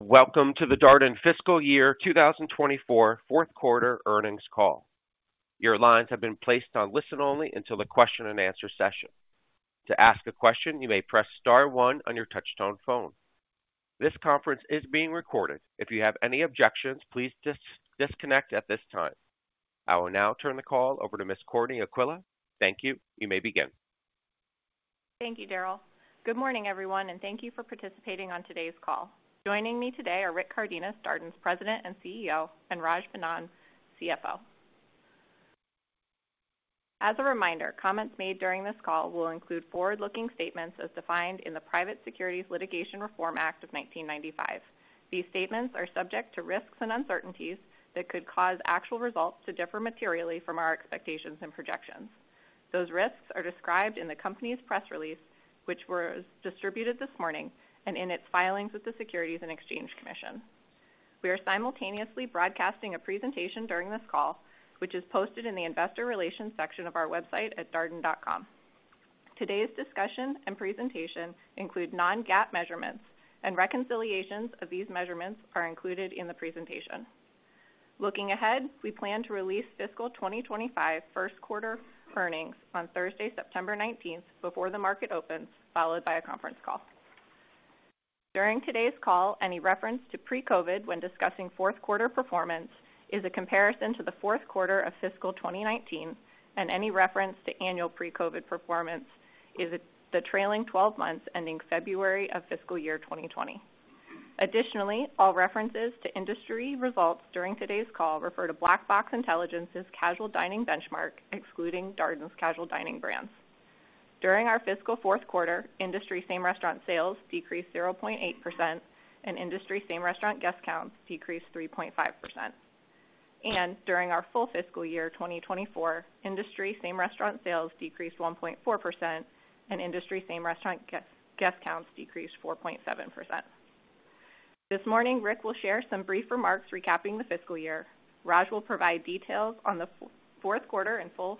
Welcome to the Darden Fiscal Year 2024 Fourth Quarter Earnings Call. Your lines have been placed on listen-only until the question-and-answer session. To ask a question, you may press star one on your touch-tone phone. This conference is being recorded. If you have any objections, please disconnect at this time. I will now turn the call over to Ms. Courtney Aquila. Thank you. You may begin. Thank you, Daryl. Good morning, everyone, and thank you for participating on today's call. Joining me today are Rick Cardenas, Darden's President and CEO, and Raj Vennam, CFO. As a reminder, comments made during this call will include forward-looking statements as defined in the Private Securities Litigation Reform Act of 1995. These statements are subject to risks and uncertainties that could cause actual results to differ materially from our expectations and projections. Those risks are described in the company's press release, which was distributed this morning, and in its filings with the Securities and Exchange Commission. We are simultaneously broadcasting a presentation during this call, which is posted in the investor relations section of our website at darden.com. Today's discussion and presentation include non-GAAP measurements, and reconciliations of these measurements are included in the presentation. Looking ahead, we plan to release fiscal 2025 first quarter earnings on Thursday, September 19th, before the market opens, followed by a conference call. During today's call, any reference to pre-COVID when discussing fourth quarter performance is a comparison to the fourth quarter of fiscal 2019, and any reference to annual pre-COVID performance is the trailing 12 months ending February of fiscal year 2020. Additionally, all references to industry results during today's call refer to Black Box Intelligence's casual dining benchmark, excluding Darden's casual dining brands. During our fiscal fourth quarter, industry same restaurant sales decreased 0.8%, and industry same restaurant guest counts decreased 3.5%. During our full fiscal year 2024, industry same restaurant sales decreased 1.4%, and industry same restaurant guest counts decreased 4.7%. This morning, Rick will share some brief remarks recapping the fiscal year. Raj will provide details on the fourth quarter and full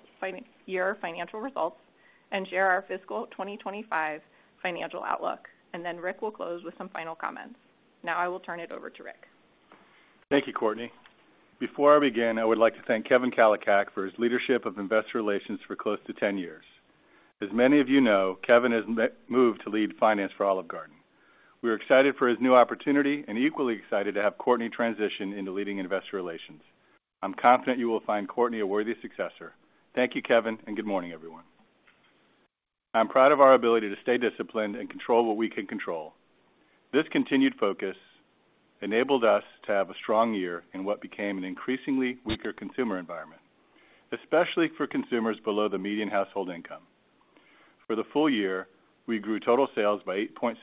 year financial results and share our fiscal 2025 financial outlook. Then Rick will close with some final comments. Now I will turn it over to Rick. Thank you, Courtney. Before I begin, I would like to thank Kevin Kalicak for his leadership of investor relations for close to 10 years. As many of you know, Kevin has moved to lead finance for Olive Garden. We are excited for his new opportunity and equally excited to have Courtney transition into leading investor relations. I'm confident you will find Courtney a worthy successor. Thank you, Kevin, and good morning, everyone. I'm proud of our ability to stay disciplined and control what we can control. This continued focus enabled us to have a strong year in what became an increasingly weaker consumer environment, especially for consumers below the median household income. For the full year, we grew total sales by 8.6%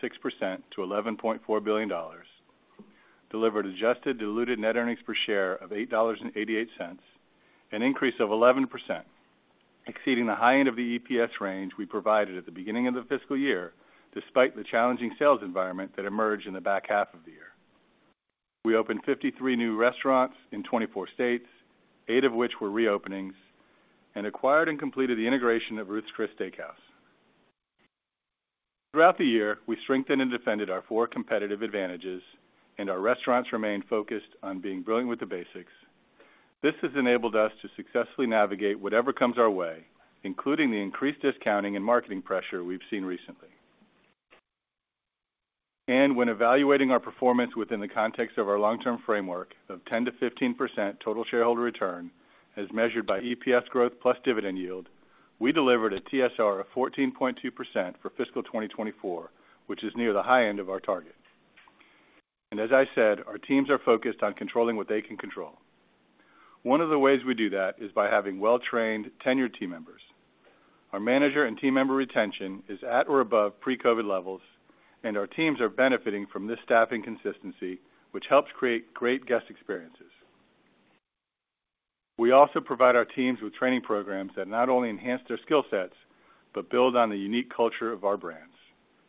to $11.4 billion, delivered adjusted diluted net earnings per share of $8.88, an increase of 11%, exceeding the high end of the EPS range we provided at the beginning of the fiscal year, despite the challenging sales environment that emerged in the back half of the year. We opened 53 new restaurants in 24 states, eight of which were reopenings, and acquired and completed the integration of Ruth's Chris Steak House. Throughout the year, we strengthened and defended our four competitive advantages, and our restaurants remained focused on being brilliant with the basics. This has enabled us to successfully navigate whatever comes our way, including the increased discounting and marketing pressure we've seen recently. When evaluating our performance within the context of our long-term framework of 10%-15% total shareholder return, as measured by EPS growth plus dividend yield, we delivered a TSR of 14.2% for fiscal 2024, which is near the high end of our target. As I said, our teams are focused on controlling what they can control. One of the ways we do that is by having well-trained, tenured team members. Our manager and team member retention is at or above pre-COVID levels, and our teams are benefiting from this staffing consistency, which helps create great guest experiences. We also provide our teams with training programs that not only enhance their skill sets, but build on the unique culture of our brands,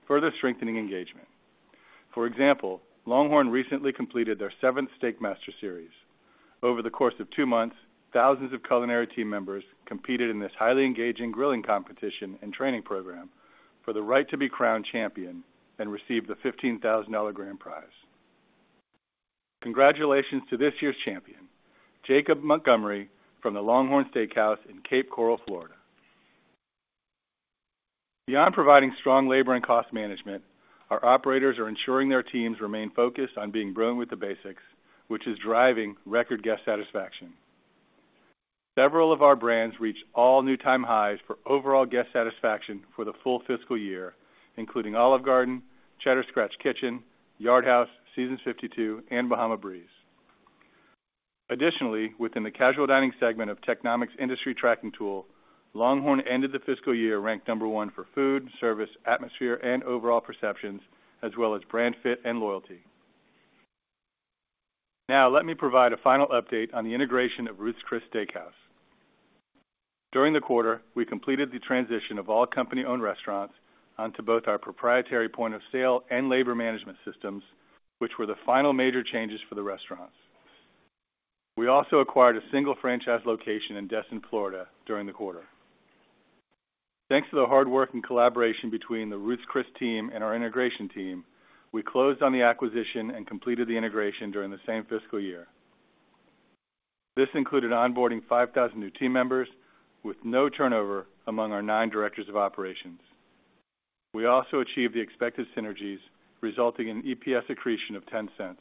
further strengthening engagement. For example, LongHorn recently completed their seventh Steak Master Series. Over the course of two months, thousands of culinary team members competed in this highly engaging grilling competition and training program for the right to be crowned champion and received the $15,000 grand prize. Congratulations to this year's champion, Jacob Montgomery, from the LongHorn Steakhouse in Cape Coral, Florida. Beyond providing strong labor and cost management, our operators are ensuring their teams remain focused on being brilliant with the basics, which is driving record guest satisfaction. Several of our brands reached all new time highs for overall guest satisfaction for the full fiscal year, including Olive Garden, Cheddar's Scratch Kitchen, Yard House, Seasons 52, and Bahama Breeze. Additionally, within the casual dining segment of Technomic Industry Tracking Tool, LongHorn ended the fiscal year ranked number one for food, service, atmosphere, and overall perceptions, as well as brand fit and loyalty. Now, let me provide a final update on the integration of Ruth's Chris Steak House. During the quarter, we completed the transition of all company-owned restaurants onto both our proprietary point of sale and labor management systems, which were the final major changes for the restaurants. We also acquired a single franchise location in Destin, Florida, during the quarter. Thanks to the hard work and collaboration between the Ruth's Chris team and our integration team, we closed on the acquisition and completed the integration during the same fiscal year. This included onboarding 5,000 new team members with no turnover among our nine directors of operations. We also achieved the expected synergies, resulting in EPS accretion of $0.10.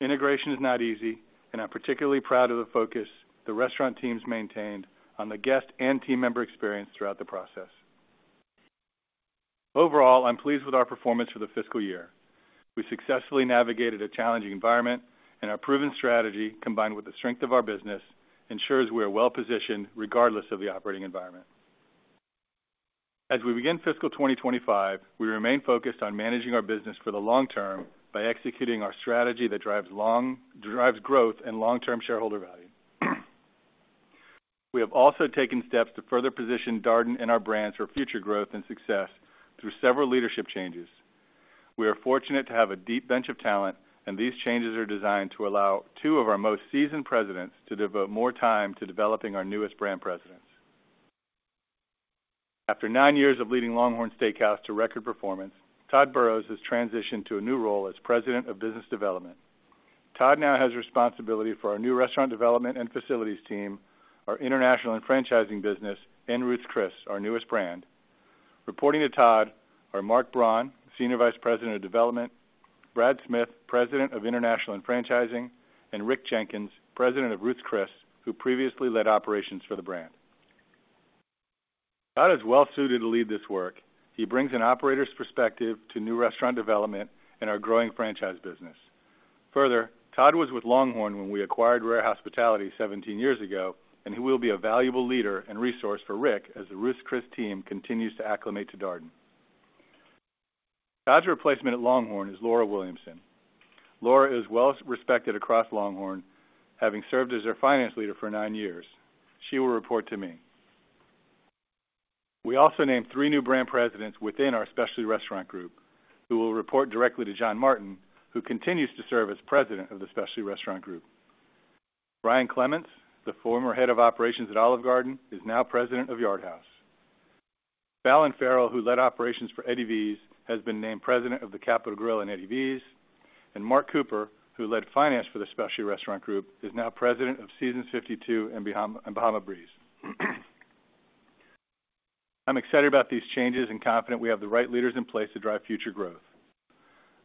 Integration is not easy, and I'm particularly proud of the focus the restaurant teams maintained on the guest and team member experience throughout the process. Overall, I'm pleased with our performance for the fiscal year. We successfully navigated a challenging environment, and our proven strategy, combined with the strength of our business, ensures we are well-positioned regardless of the operating environment. As we begin fiscal 2025, we remain focused on managing our business for the long term by executing our strategy that drives growth and long-term shareholder value. We have also taken steps to further position Darden and our brands for future growth and success through several leadership changes. We are fortunate to have a deep bench of talent, and these changes are designed to allow two of our most seasoned presidents to devote more time to developing our newest brand presidents. After nine years of leading LongHorn Steakhouse to record performance, Todd Burrowes has transitioned to a new role as President of Business Development. Todd now has responsibility for our new restaurant development and facilities team, our international and franchising business, and Ruth's Chris, our newest brand. Reporting to Todd are Marc Braun, Senior Vice President of Development, Brad Smith, President of International and Franchising, and Rick Jenkins, President of Ruth's Chris, who previously led operations for the brand. Todd is well-suited to lead this work. He brings an operator's perspective to new restaurant development and our growing franchise business. Further, Todd was with LongHorn when we acquired Rare Hospitality 17 years ago, and he will be a valuable leader and resource for Rick as the Ruth's Chris team continues to acclimate to Darden. Todd's replacement at LongHorn is Laura Williamson. Laura is well-respected across LongHorn, having served as their finance leader for 9 years. She will report to me. We also named three new brand presidents within our specialty restaurant group, who will report directly to John Martin, who continues to serve as president of the specialty restaurant group. Bryan Clements, the former head of operations at Olive Garden, is now president of Yard House. Falynn Farrell, who led operations for Eddie V's, has been named president of The Capital Grille and Eddie V's. And Mark Cooper, who led finance for the specialty restaurant group, is now president of Seasons 52 and Bahama Breeze. I'm excited about these changes and confident we have the right leaders in place to drive future growth.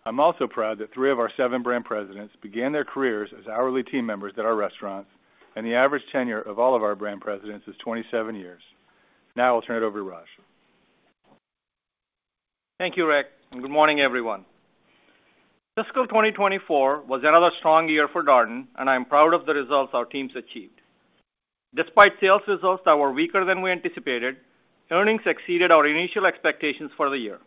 I'm also proud that three of our seven brand presidents began their careers as hourly team members at our restaurants, and the average tenure of all of our brand presidents is 27 years. Now I'll turn it over to Raj. Thank you, Rick, and good morning, everyone. Fiscal 2024 was another strong year for Darden, and I'm proud of the results our teams achieved. Despite sales results that were weaker than we anticipated, earnings exceeded our initial expectations for the year.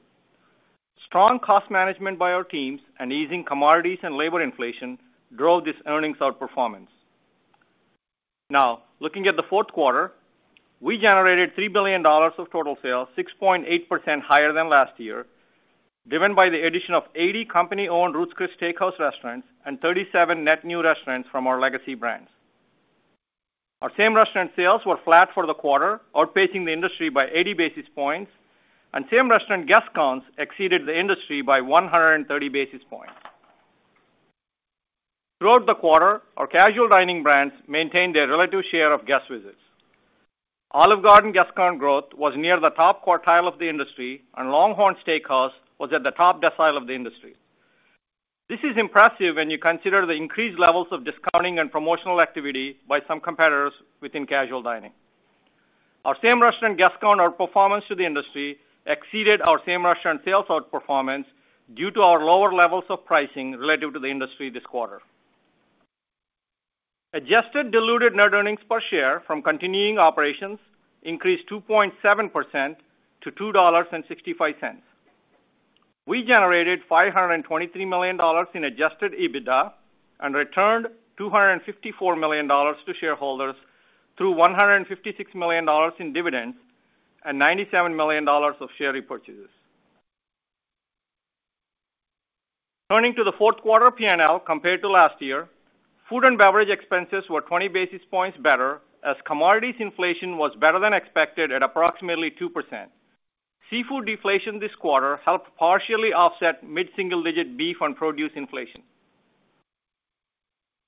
Strong cost management by our teams and easing commodities and labor inflation drove this earnings outperformance. Now, looking at the fourth quarter, we generated $3 billion of total sales, 6.8% higher than last year, driven by the addition of 80 company-owned Ruth's Chris Steak House restaurants and 37 net new restaurants from our legacy brands. Our same restaurant sales were flat for the quarter, outpacing the industry by 80 basis points, and same restaurant guest counts exceeded the industry by 130 basis points. Throughout the quarter, our casual dining brands maintained their relative share of guest visits. Olive Garden guest count growth was near the top quartile of the industry, and LongHorn Steakhouse was at the top decile of the industry. This is impressive when you consider the increased levels of discounting and promotional activity by some competitors within casual dining. Our same restaurant guest count outperformance to the industry exceeded our same restaurant sales outperformance due to our lower levels of pricing relative to the industry this quarter. Adjusted diluted net earnings per share from continuing operations increased 2.7% to $2.65. We generated $523 million in adjusted EBITDA and returned $254 million to shareholders through $156 million in dividends and $97 million of share repurchases. Turning to the fourth quarter P&L compared to last year, food and beverage expenses were 20 basis points better as commodities inflation was better than expected at approximately 2%. Seafood deflation this quarter helped partially offset mid-single-digit beef and produce inflation.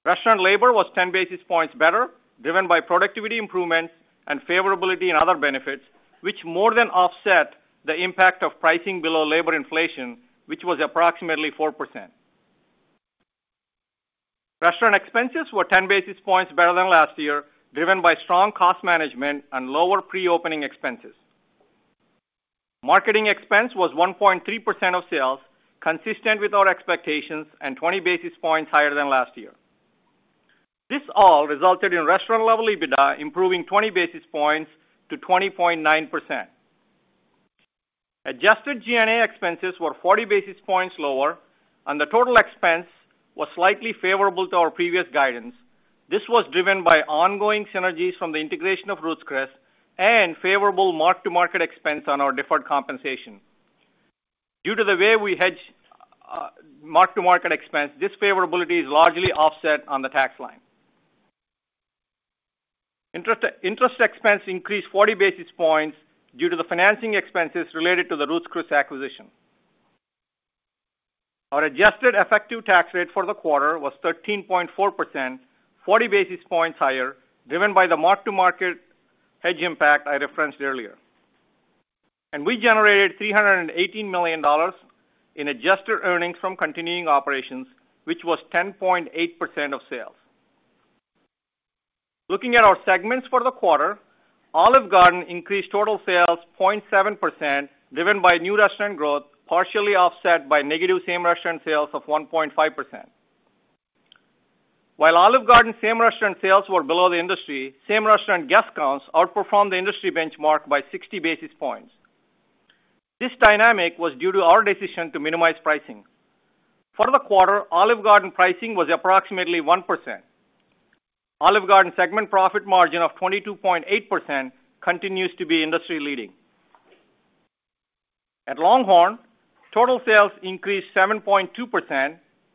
Restaurant labor was 10 basis points better, driven by productivity improvements and favorability in other benefits, which more than offset the impact of pricing below labor inflation, which was approximately 4%. Restaurant expenses were 10 basis points better than last year, driven by strong cost management and lower pre-opening expenses. Marketing expense was 1.3% of sales, consistent with our expectations and 20 basis points higher than last year. This all resulted in restaurant-level EBITDA improving 20 basis points to 20.9%. Adjusted G&A expenses were 40 basis points lower, and the total expense was slightly favorable to our previous guidance. This was driven by ongoing synergies from the integration of Ruth's Chris and favorable mark-to-market expense on our deferred compensation. Due to the way we hedge mark-to-market expense, this favorability is largely offset on the tax line. Interest expense increased 40 basis points due to the financing expenses related to the Ruth's Chris acquisition. Our adjusted effective tax rate for the quarter was 13.4%, 40 basis points higher, driven by the mark-to-market hedge impact I referenced earlier. We generated $318 million in adjusted earnings from continuing operations, which was 10.8% of sales. Looking at our segments for the quarter, Olive Garden increased total sales 0.7%, driven by new restaurant growth, partially offset by negative same restaurant sales of 1.5%. While Olive Garden's same restaurant sales were below the industry, same restaurant guest counts outperformed the industry benchmark by 60 basis points. This dynamic was due to our decision to minimize pricing. For the quarter, Olive Garden pricing was approximately 1%. Olive Garden's segment profit margin of 22.8% continues to be industry-leading. At LongHorn, total sales increased 7.2%,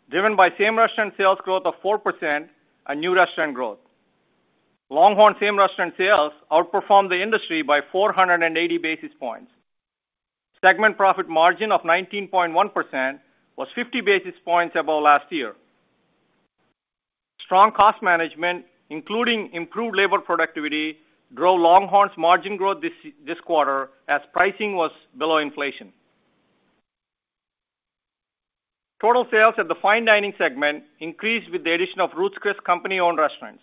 driven by same restaurant sales growth of 4% and new restaurant growth. LongHorn's same restaurant sales outperformed the industry by 480 basis points. Segment profit margin of 19.1% was 50 basis points above last year. Strong cost management, including improved labor productivity, drove LongHorn's margin growth this quarter as pricing was below inflation. Total sales at the fine dining segment increased with the addition of Ruth's Chris company-owned restaurants.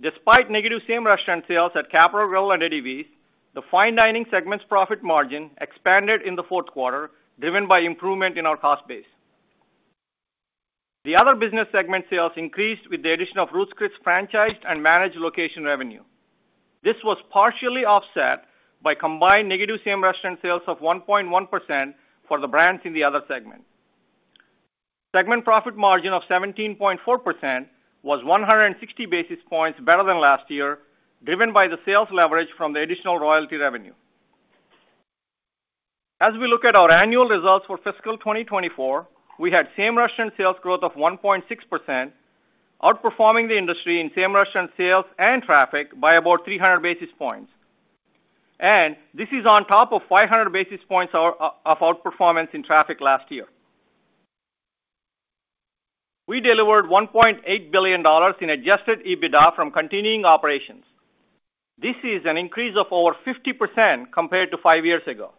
Despite negative same restaurant sales at Capital Grille and Eddie V's, the fine dining segment's profit margin expanded in the fourth quarter, driven by improvement in our cost base. The other business segment sales increased with the addition of Ruth's Chris franchised and managed location revenue. This was partially offset by combined negative same restaurant sales of 1.1% for the brands in the other segment. Segment profit margin of 17.4% was 160 basis points better than last year, driven by the sales leverage from the additional royalty revenue. As we look at our annual results for fiscal 2024, we had same restaurant sales growth of 1.6%, outperforming the industry in same restaurant sales and traffic by about 300 basis points. This is on top of 500 basis points of outperformance in traffic last year. We delivered $1.8 billion in adjusted EBITDA from continuing operations. This is an increase of over 50% compared to five years ago.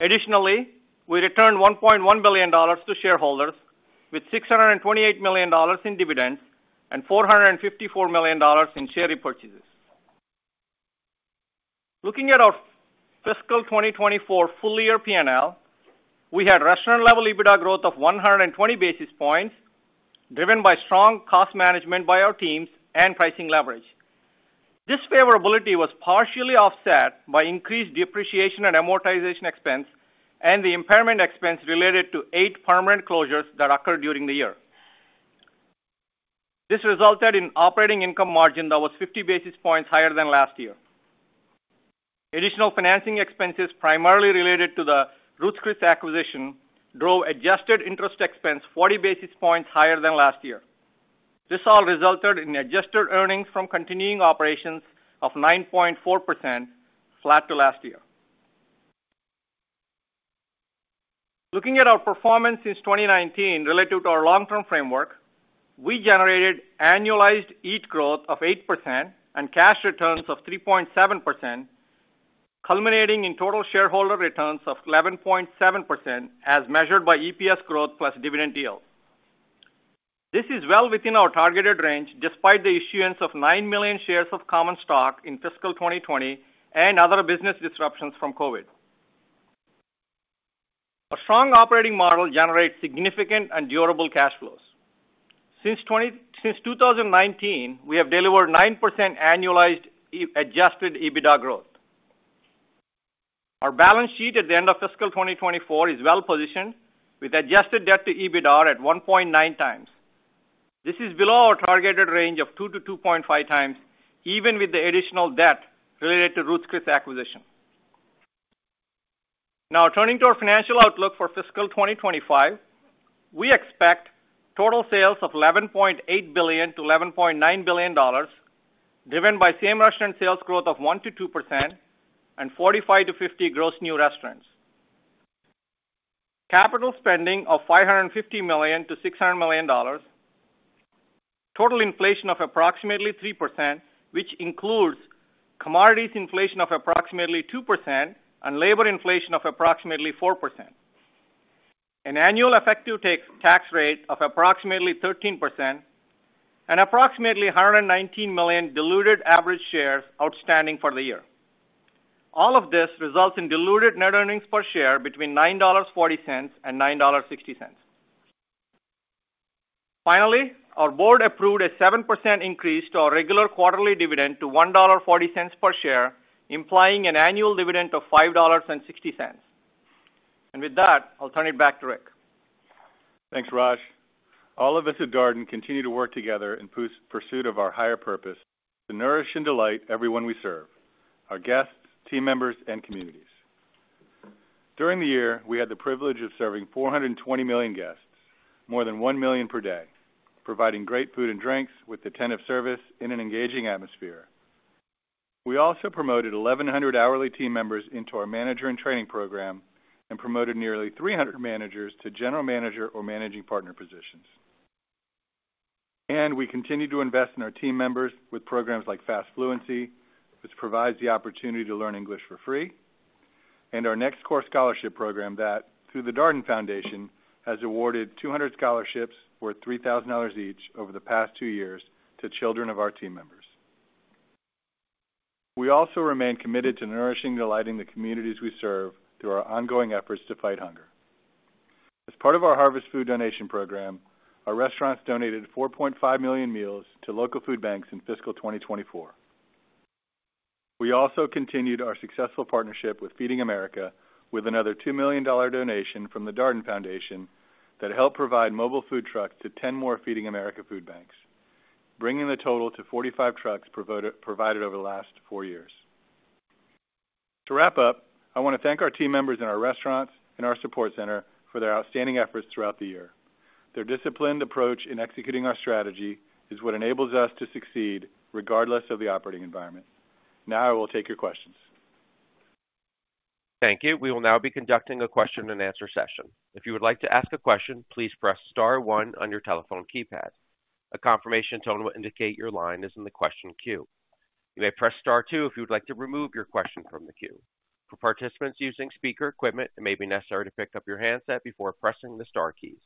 Additionally, we returned $1.1 billion to shareholders with $628 million in dividends and $454 million in share repurchases. Looking at our fiscal 2024 full-year P&L, we had restaurant-level EBITDA growth of 120 basis points, driven by strong cost management by our teams and pricing leverage. This favorability was partially offset by increased depreciation and amortization expense and the impairment expense related to 8 permanent closures that occurred during the year. This resulted in operating income margin that was 50 basis points higher than last year. Additional financing expenses primarily related to the Ruth's Chris acquisition drove adjusted interest expense 40 basis points higher than last year. This all resulted in adjusted earnings from continuing operations of 9.4%, flat to last year. Looking at our performance since 2019 relative to our long-term framework, we generated annualized EPS growth of 8% and cash returns of 3.7%, culminating in total shareholder returns of 11.7% as measured by EPS growth plus dividend yield. This is well within our targeted range despite the issuance of 9 million shares of common stock in fiscal 2020 and other business disruptions from COVID. A strong operating model generates significant and durable cash flows. Since 2019, we have delivered 9% annualized Adjusted EBITDA growth. Our balance sheet at the end of fiscal 2024 is well-positioned with adjusted debt to EBITDA at 1.9x. This is below our targeted range of 2-2.5x, even with the additional debt related to Ruth's Chris acquisition. Now, turning to our financial outlook for fiscal 2025, we expect total sales of $11.8 billion-$11.9 billion, driven by same restaurant sales growth of 1%-2% and 45-50 gross new restaurants. Capital spending of $550-$600 million, total inflation of approximately 3%, which includes commodities inflation of approximately 2% and labor inflation of approximately 4%. An annual effective tax rate of approximately 13% and approximately $119 million diluted average shares outstanding for the year. All of this results in diluted net earnings per share between $9.40 and $9.60. Finally, our board approved a 7% increase to our regular quarterly dividend to $1.40 per share, implying an annual dividend of $5.60. With that, I'll turn it back to Rick. Thanks, Raj. All of us at Darden continue to work together in pursuit of our higher purpose to nourish and delight everyone we serve: our guests, team members, and communities. During the year, we had the privilege of serving 420 million guests, more than 1 million per day, providing great food and drinks with attentive service in an engaging atmosphere. We also promoted 1,100 hourly team members into our manager and training program and promoted nearly 300 managers to general manager or managing partner positions. We continue to invest in our team members with programs like Fast Fluency, which provides the opportunity to learn English for free, and our Next Course scholarship program that, through the Darden Foundation, has awarded 200 scholarships worth $3,000 each over the past two years. We also remain committed to nourishing and delighting the communities we serve through our ongoing efforts to fight hunger. As part of our Harvest Food Donation Program, our restaurants donated 4.5 million meals to local food banks in fiscal 2024. We also continued our successful partnership with Feeding America with another $2 million donation from the Darden Foundation that helped provide mobile food trucks to 10 more Feeding America food banks, bringing the total to 45 trucks provided over the last four years. To wrap up, I want to thank our team members in our restaurants and our support center for their outstanding efforts throughout the year. Their disciplined approach in executing our strategy is what enables us to succeed regardless of the operating environment. Now, I will take your questions. Thank you. We will now be conducting a question-and-answer session. If you would like to ask a question, please press Star 1 on your telephone keypad. A confirmation tone will indicate your line is in the question queue. You may press Star 2 if you would like to remove your question from the queue. For participants using speaker equipment, it may be necessary to pick up your handset before pressing the Star keys.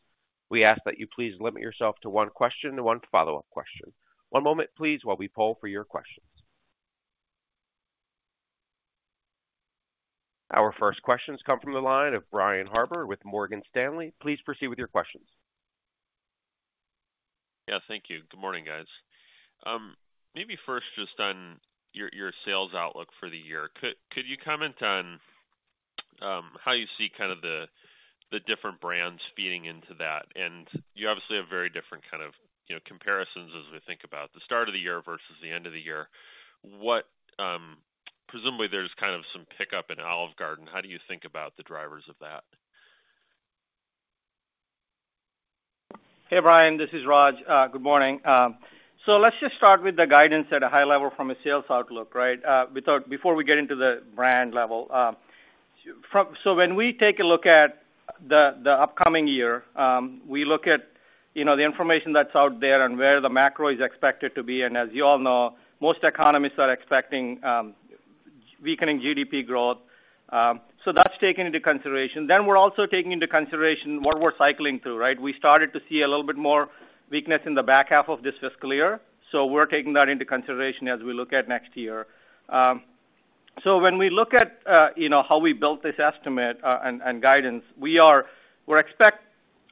We ask that you please limit yourself to one question and one follow-up question. One moment, please, while we poll for your questions. Our first questions come from the line of Brian Harbour with Morgan Stanley. Please proceed with your questions. Yeah, thank you. Good morning, guys. Maybe first, just on your sales outlook for the year, could you comment on how you see kind of the different brands feeding into that? You obviously have very different kind of comparisons as we think about the start of the year versus the end of the year. Presumably, there's kind of some pickup in Olive Garden. How do you think about the drivers of that? Hey, Brian. This is Raj. Good morning. So let's just start with the guidance at a high level from a sales outlook, right, before we get into the brand level. So when we take a look at the upcoming year, we look at the information that's out there and where the macro is expected to be. And as you all know, most economists are expecting weakening GDP growth. So that's taken into consideration. Then we're also taking into consideration what we're cycling through, right? We started to see a little bit more weakness in the back half of this fiscal year. So we're taking that into consideration as we look at next year. So when we look at how we built this estimate and guidance, we expect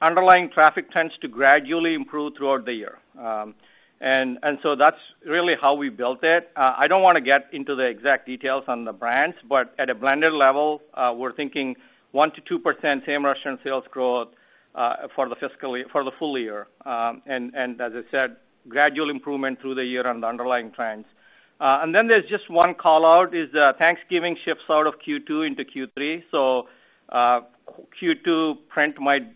underlying traffic trends to gradually improve throughout the year. And so that's really how we built it. I don't want to get into the exact details on the brands, but at a blended level, we're thinking 1%-2% same restaurant sales growth for the full year. As I said, gradual improvement through the year on the underlying trends. Then there's just one callout: Thanksgiving shifts out of Q2 into Q3. So Q2 print might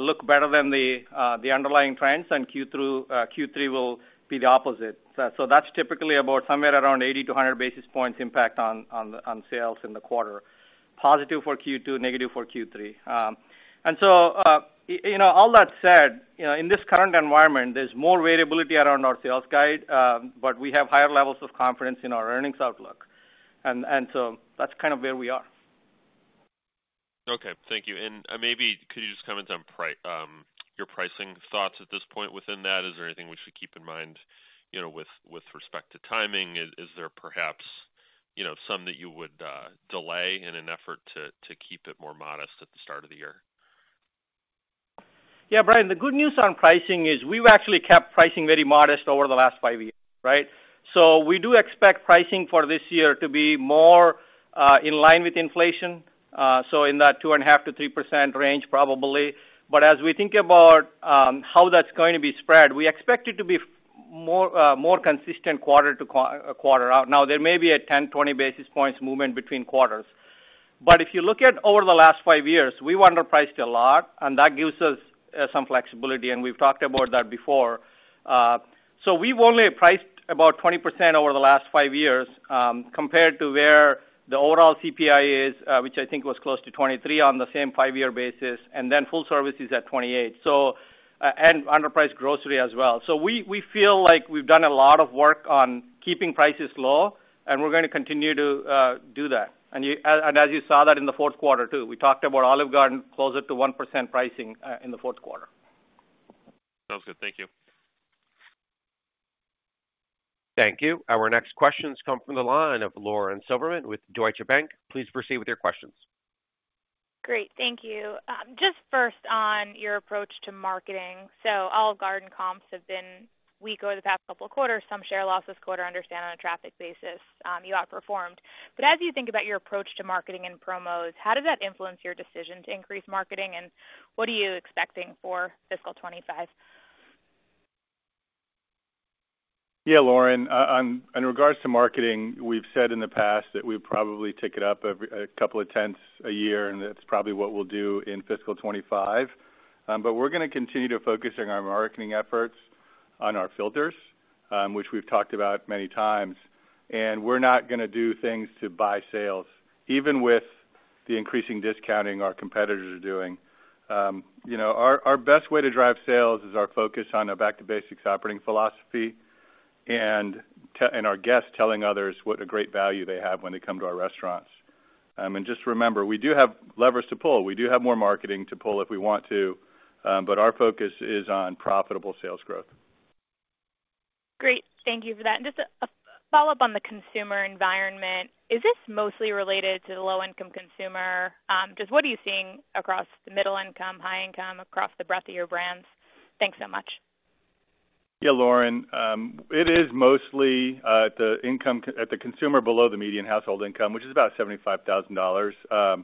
look better than the underlying trends, and Q3 will be the opposite. So that's typically about somewhere around 80-100 basis points impact on sales in the quarter. Positive for Q2, negative for Q3. All that said, in this current environment, there's more variability around our sales guide, but we have higher levels of confidence in our earnings outlook. That's kind of where we are. Okay. Thank you. And maybe could you just comment on your pricing thoughts at this point within that? Is there anything we should keep in mind with respect to timing? Is there perhaps some that you would delay in an effort to keep it more modest at the start of the year? Yeah, Brian, the good news on pricing is we've actually kept pricing very modest over the last five years, right? So we do expect pricing for this year to be more in line with inflation. So in that 2.5%-3% range, probably. But as we think about how that's going to be spread, we expect it to be more consistent quarter to quarter. Now, there may be a 10, 20 basis points movement between quarters. But if you look at over the last five years, we've underpriced a lot, and that gives us some flexibility. And we've talked about that before. So we've only priced about 20% over the last five years compared to where the overall CPI is, which I think was close to 23 on the same five-year basis, and then full services at 28, and underpriced grocery as well. So we feel like we've done a lot of work on keeping prices low, and we're going to continue to do that. As you saw that in the fourth quarter, too, we talked about Olive Garden closer to 1% pricing in the fourth quarter. Sounds good. Thank you. Thank you. Our next questions come from the line of Lauren Silverman with Deutsche Bank. Please proceed with your questions. Great. Thank you. Just first on your approach to marketing. So Olive Garden comps have been weak over the past couple of quarters, some share loss this quarter. I understand on a traffic basis, you outperformed. But as you think about your approach to marketing and promos, how does that influence your decision to increase marketing, and what are you expecting for fiscal 2025? Yeah, Lauren, in regards to marketing, we've said in the past that we probably tick it up a couple of tenths a year, and that's probably what we'll do in fiscal 2025. But we're going to continue to focus on our marketing efforts on our filters, which we've talked about many times. And we're not going to do things to buy sales, even with the increasing discounting our competitors are doing. Our best way to drive sales is our focus on a back-to-basics operating philosophy and our guests telling others what a great value they have when they come to our restaurants. And just remember, we do have levers to pull. We do have more marketing to pull if we want to, but our focus is on profitable sales growth. Great. Thank you for that. And just a follow-up on the consumer environment. Is this mostly related to the low-income consumer? Just what are you seeing across the middle-income, high-income, across the breadth of your brands? Thanks so much. Yeah, Lauren, it is mostly at the consumer below the median household income, which is about $75,000.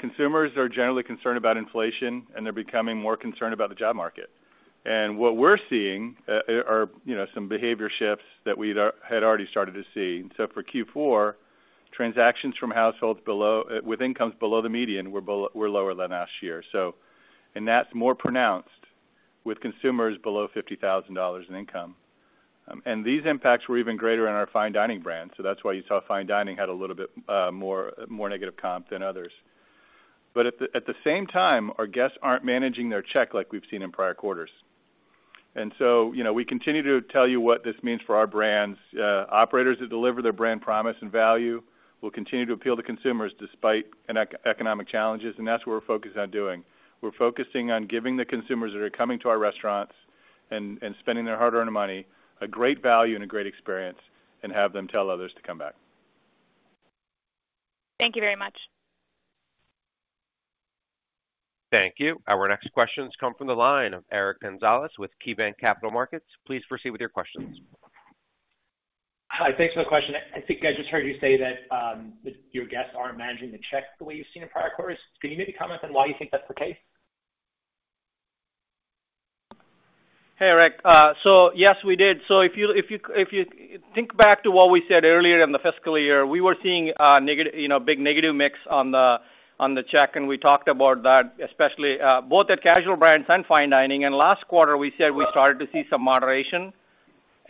Consumers are generally concerned about inflation, and they're becoming more concerned about the job market. What we're seeing are some behavior shifts that we had already started to see. For Q4, transactions from households with incomes below the median were lower than last year. That's more pronounced with consumers below $50,000 in income. These impacts were even greater in our fine dining brands. That's why you saw fine dining had a little bit more negative comp than others. But at the same time, our guests aren't managing their check like we've seen in prior quarters. We continue to tell you what this means for our brands. Operators that deliver their brand promise and value will continue to appeal to consumers despite economic challenges. That's what we're focused on doing. We're focusing on giving the consumers that are coming to our restaurants and spending their hard-earned money a great value and a great experience and have them tell others to come back. Thank you very much. Thank you. Our next questions come from the line of Eric Gonzalez with KeyBanc Capital Markets. Please proceed with your questions. Hi, thanks for the question. I think I just heard you say that your guests aren't managing the check the way you've seen in prior quarters. Can you maybe comment on why you think that's the case? Hey, Rick. So yes, we did. So if you think back to what we said earlier in the fiscal year, we were seeing a big negative mix on the check. We talked about that, especially both at casual brands and fine dining. Last quarter, we said we started to see some moderation.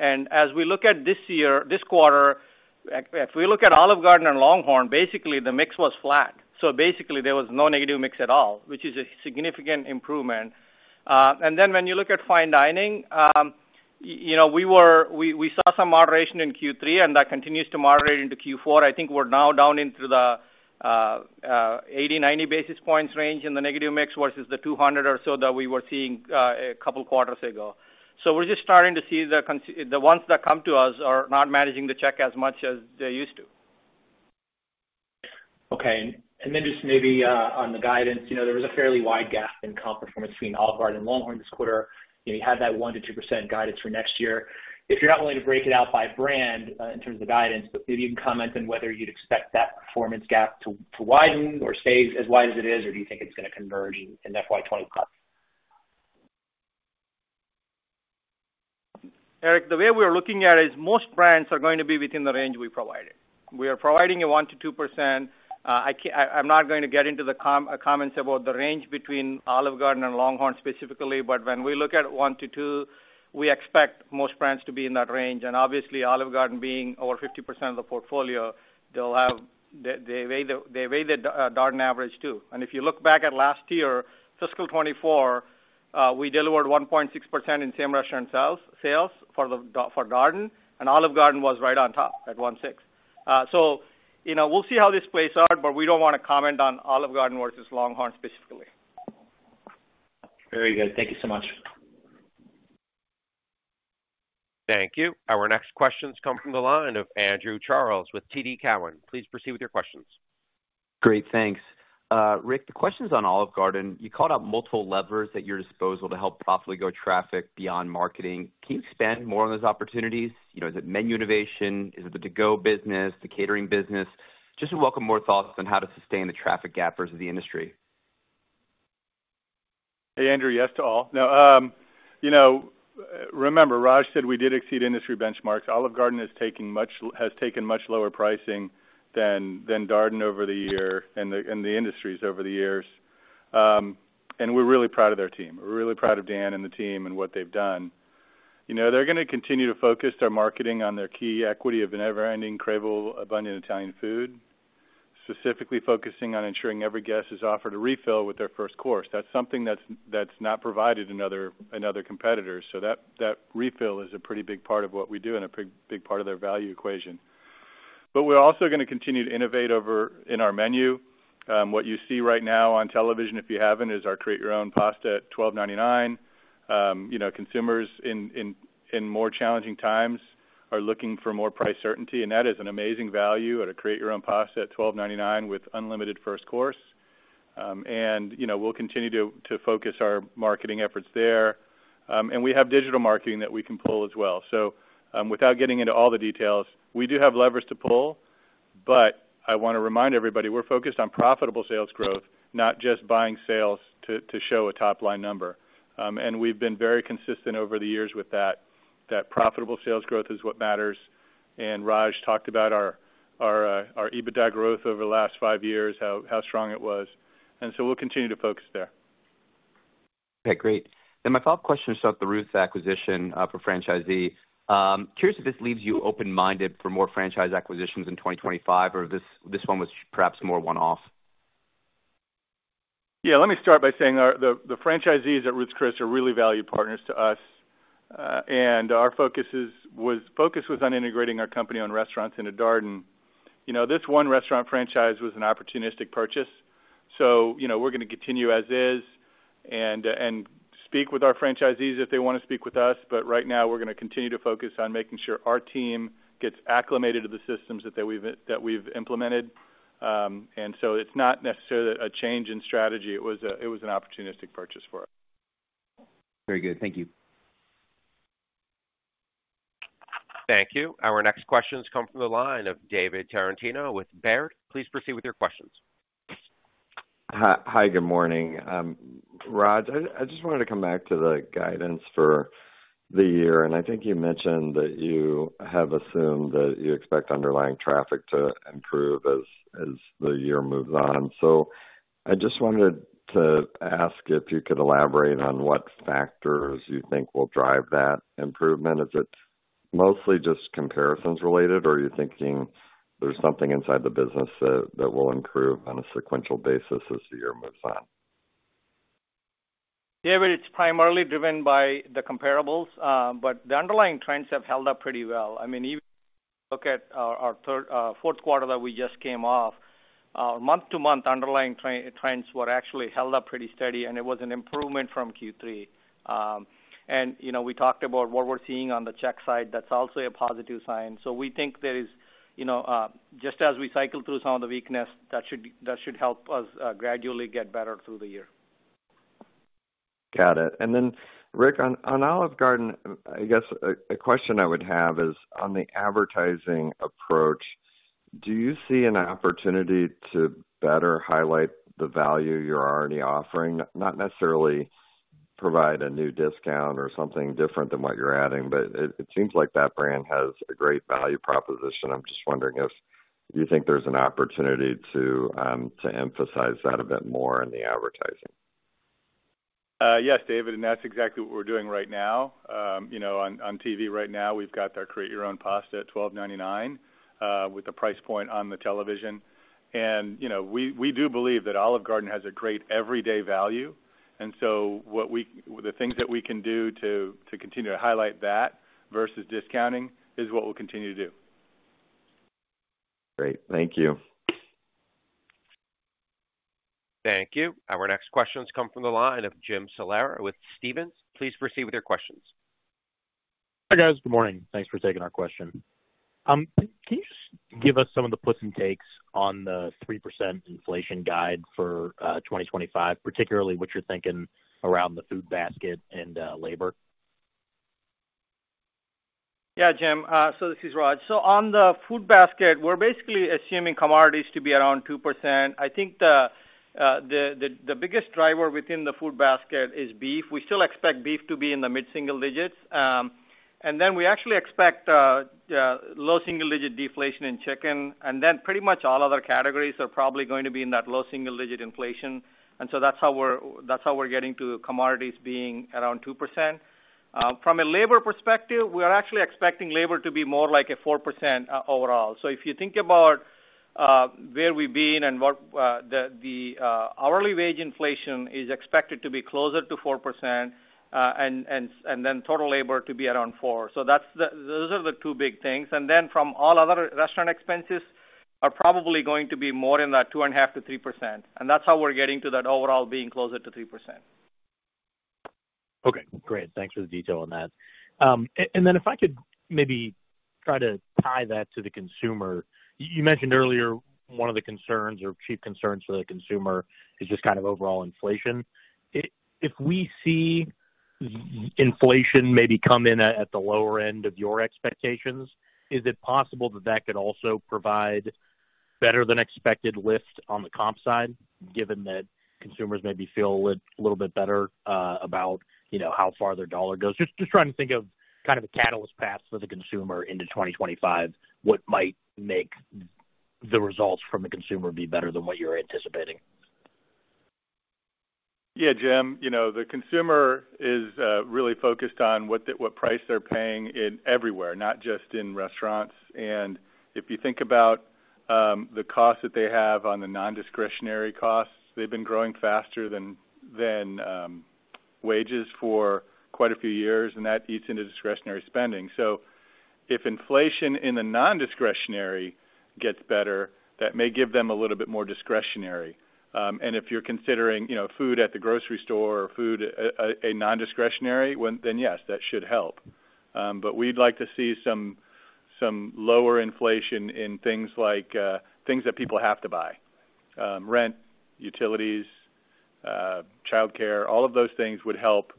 As we look at this year, this quarter, if we look at Olive Garden and LongHorn, basically, the mix was flat. So basically, there was no negative mix at all, which is a significant improvement. Then when you look at fine dining, we saw some moderation in Q3, and that continues to moderate into Q4. I think we're now down into the 80-90 basis points range in the negative mix versus the 200 or so that we were seeing a couple of quarters ago. We're just starting to see the ones that come to us are not managing the check as much as they used to. Okay. Then just maybe on the guidance, there was a fairly wide gap in comp performance between Olive Garden and LongHorn this quarter. You had that 1%-2% guidance for next year. If you're not willing to break it out by brand in terms of the guidance, maybe you can comment on whether you'd expect that performance gap to widen or stay as wide as it is, or do you think it's going to converge in FY 2025? Eric, the way we're looking at it is most brands are going to be within the range we provided. We are providing a 1%-2%. I'm not going to get into the comments about the range between Olive Garden and LongHorn specifically, but when we look at 1%-2%, we expect most brands to be in that range. And obviously, Olive Garden being over 50% of the portfolio, they weigh the Darden average too. And if you look back at last year, fiscal 2024, we delivered 1.6% in same restaurant sales for Darden, and Olive Garden was right on top at 1.6. So we'll see how this plays out, but we don't want to comment on Olive Garden versus LongHorn specifically. Very good. Thank you so much. Thank you. Our next questions come from the line of Andrew Charles with TD Cowen. Please proceed with your questions. Great. Thanks. Rick, the question's on Olive Garden. You called out multiple levers at your disposal to help possibly go traffic beyond marketing. Can you expand more on those opportunities? Is it menu innovation? Is it the to-go business, the catering business? Just to welcome more thoughts on how to sustain the traffic gap versus the industry. Hey, Andrew, yes to all. Now, remember, Raj said we did exceed industry benchmarks. Olive Garden has taken much lower pricing than Darden over the year and the industries over the years. We're really proud of their team. We're really proud of Dan and the team and what they've done. They're going to continue to focus their marketing on their key equity of a never-ending craveable abundant Italian food, specifically focusing on ensuring every guest is offered a refill with their first course. That's something that's not provided in other competitors. So that refill is a pretty big part of what we do and a big part of their value equation. But we're also going to continue to innovate in our menu. What you see right now on television, if you haven't, is our Create Your Own Pasta at $12.99. Consumers in more challenging times are looking for more price certainty. That is an amazing value at a Create Your Own Pasta at $12.99 with unlimited first course. We'll continue to focus our marketing efforts there. We have digital marketing that we can pull as well. Without getting into all the details, we do have levers to pull. But I want to remind everybody we're focused on profitable sales growth, not just buying sales to show a top-line number. We've been very consistent over the years with that. That profitable sales growth is what matters. Raj talked about our EBITDA growth over the last five years, how strong it was. We'll continue to focus there. Okay. Great. My follow-up question is about the Ruth's acquisition for franchisee. Curious if this leaves you open-minded for more franchise acquisitions in 2025, or this one was perhaps more one-off? Yeah. Let me start by saying the franchisees at Ruth's Chris are really valued partners to us. Our focus was on integrating our company-owned restaurants into Darden. This one restaurant franchise was an opportunistic purchase. We're going to continue as is and speak with our franchisees if they want to speak with us. But right now, we're going to continue to focus on making sure our team gets acclimated to the systems that we've implemented. It's not necessarily a change in strategy. It was an opportunistic purchase for us. Very good. Thank you. Thank you. Our next questions come from the line of David Tarantino with Baird. Please proceed with your questions. Hi. Good morning. Raj, I just wanted to come back to the guidance for the year. I think you mentioned that you have assumed that you expect underlying traffic to improve as the year moves on. I just wanted to ask if you could elaborate on what factors you think will drive that improvement. Is it mostly just comparisons related, or are you thinking there's something inside the business that will improve on a sequential basis as the year moves on? David, it's primarily driven by the comparables, but the underlying trends have held up pretty well. I mean, even look at our fourth quarter that we just came off. Month-to-month underlying trends were actually held up pretty steady, and it was an improvement from Q3. And we talked about what we're seeing on the check side. That's also a positive sign. So we think there is just as we cycle through some of the weakness, that should help us gradually get better through the year. Got it. And then, Rick, on Olive Garden, I guess a question I would have is on the advertising approach, do you see an opportunity to better highlight the value you're already offering, not necessarily provide a new discount or something different than what you're adding, but it seems like that brand has a great value proposition. I'm just wondering if you think there's an opportunity to emphasize that a bit more in the advertising? Yes, David, and that's exactly what we're doing right now. On TV right now, we've got our Create Your Own Pasta at $12.99 with the price point on the television. And we do believe that Olive Garden has a great everyday value. And so the things that we can do to continue to highlight that versus discounting is what we'll continue to do. Great. Thank you. Thank you. Our next questions come from the line of Jim Salera with Stephens. Please proceed with your questions. Hi guys. Good morning. Thanks for taking our question. Can you just give us some of the puts and takes on the 3% inflation guide for 2025, particularly what you're thinking around the food basket and labor? Yeah, Jim. So this is Raj. So on the food basket, we're basically assuming commodities to be around 2%. I think the biggest driver within the food basket is beef. We still expect beef to be in the mid-single digits. And then we actually expect low single-digit deflation in chicken. And then pretty much all other categories are probably going to be in that low single-digit inflation. And so that's how we're getting to commodities being around 2%. From a labor perspective, we are actually expecting labor to be more like a 4% overall. So if you think about where we've been and what the hourly wage inflation is expected to be closer to 4% and then total labor to be around 4. So those are the two big things. And then from all other restaurant expenses are probably going to be more in that 2.5%-3%. That's how we're getting to that overall being closer to 3%. Okay. Great. Thanks for the detail on that. And then if I could maybe try to tie that to the consumer, you mentioned earlier one of the concerns or chief concerns for the consumer is just kind of overall inflation. If we see inflation maybe come in at the lower end of your expectations, is it possible that that could also provide better than expected lift on the comp side, given that consumers maybe feel a little bit better about how far their dollar goes? Just trying to think of kind of a catalyst path for the consumer into 2025, what might make the results from the consumer be better than what you're anticipating? Yeah, Jim. The consumer is really focused on what price they're paying everywhere, not just in restaurants. If you think about the costs that they have on the non-discretionary costs, they've been growing faster than wages for quite a few years, and that eats into discretionary spending. If inflation in the non-discretionary gets better, that may give them a little bit more discretionary. If you're considering food at the grocery store or food a non-discretionary, then yes, that should help. We'd like to see some lower inflation in things like things that people have to buy: rent, utilities, childcare. All of those things would help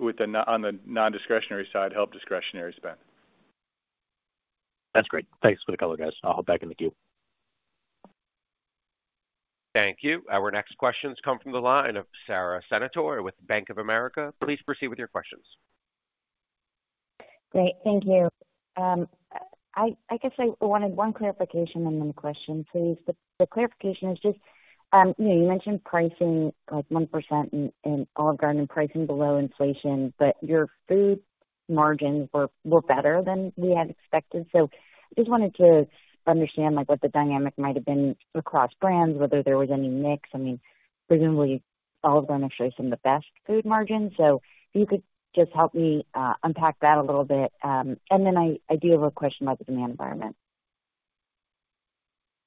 on the non-discretionary side help discretionary spend. That's great. Thanks for the call, guys. I'll hop back in the queue. Thank you. Our next questions come from the line of Sara Senatore with Bank of America. Please proceed with your questions. Great. Thank you. I guess I wanted one clarification on the question, please. The clarification is just you mentioned pricing like 1% in Olive Garden and pricing below inflation, but your food margins were better than we had expected. So I just wanted to understand what the dynamic might have been across brands, whether there was any mix. I mean, presumably, Olive Garden actually has some of the best food margins. So if you could just help me unpack that a little bit. And then I do have a question about the demand environment.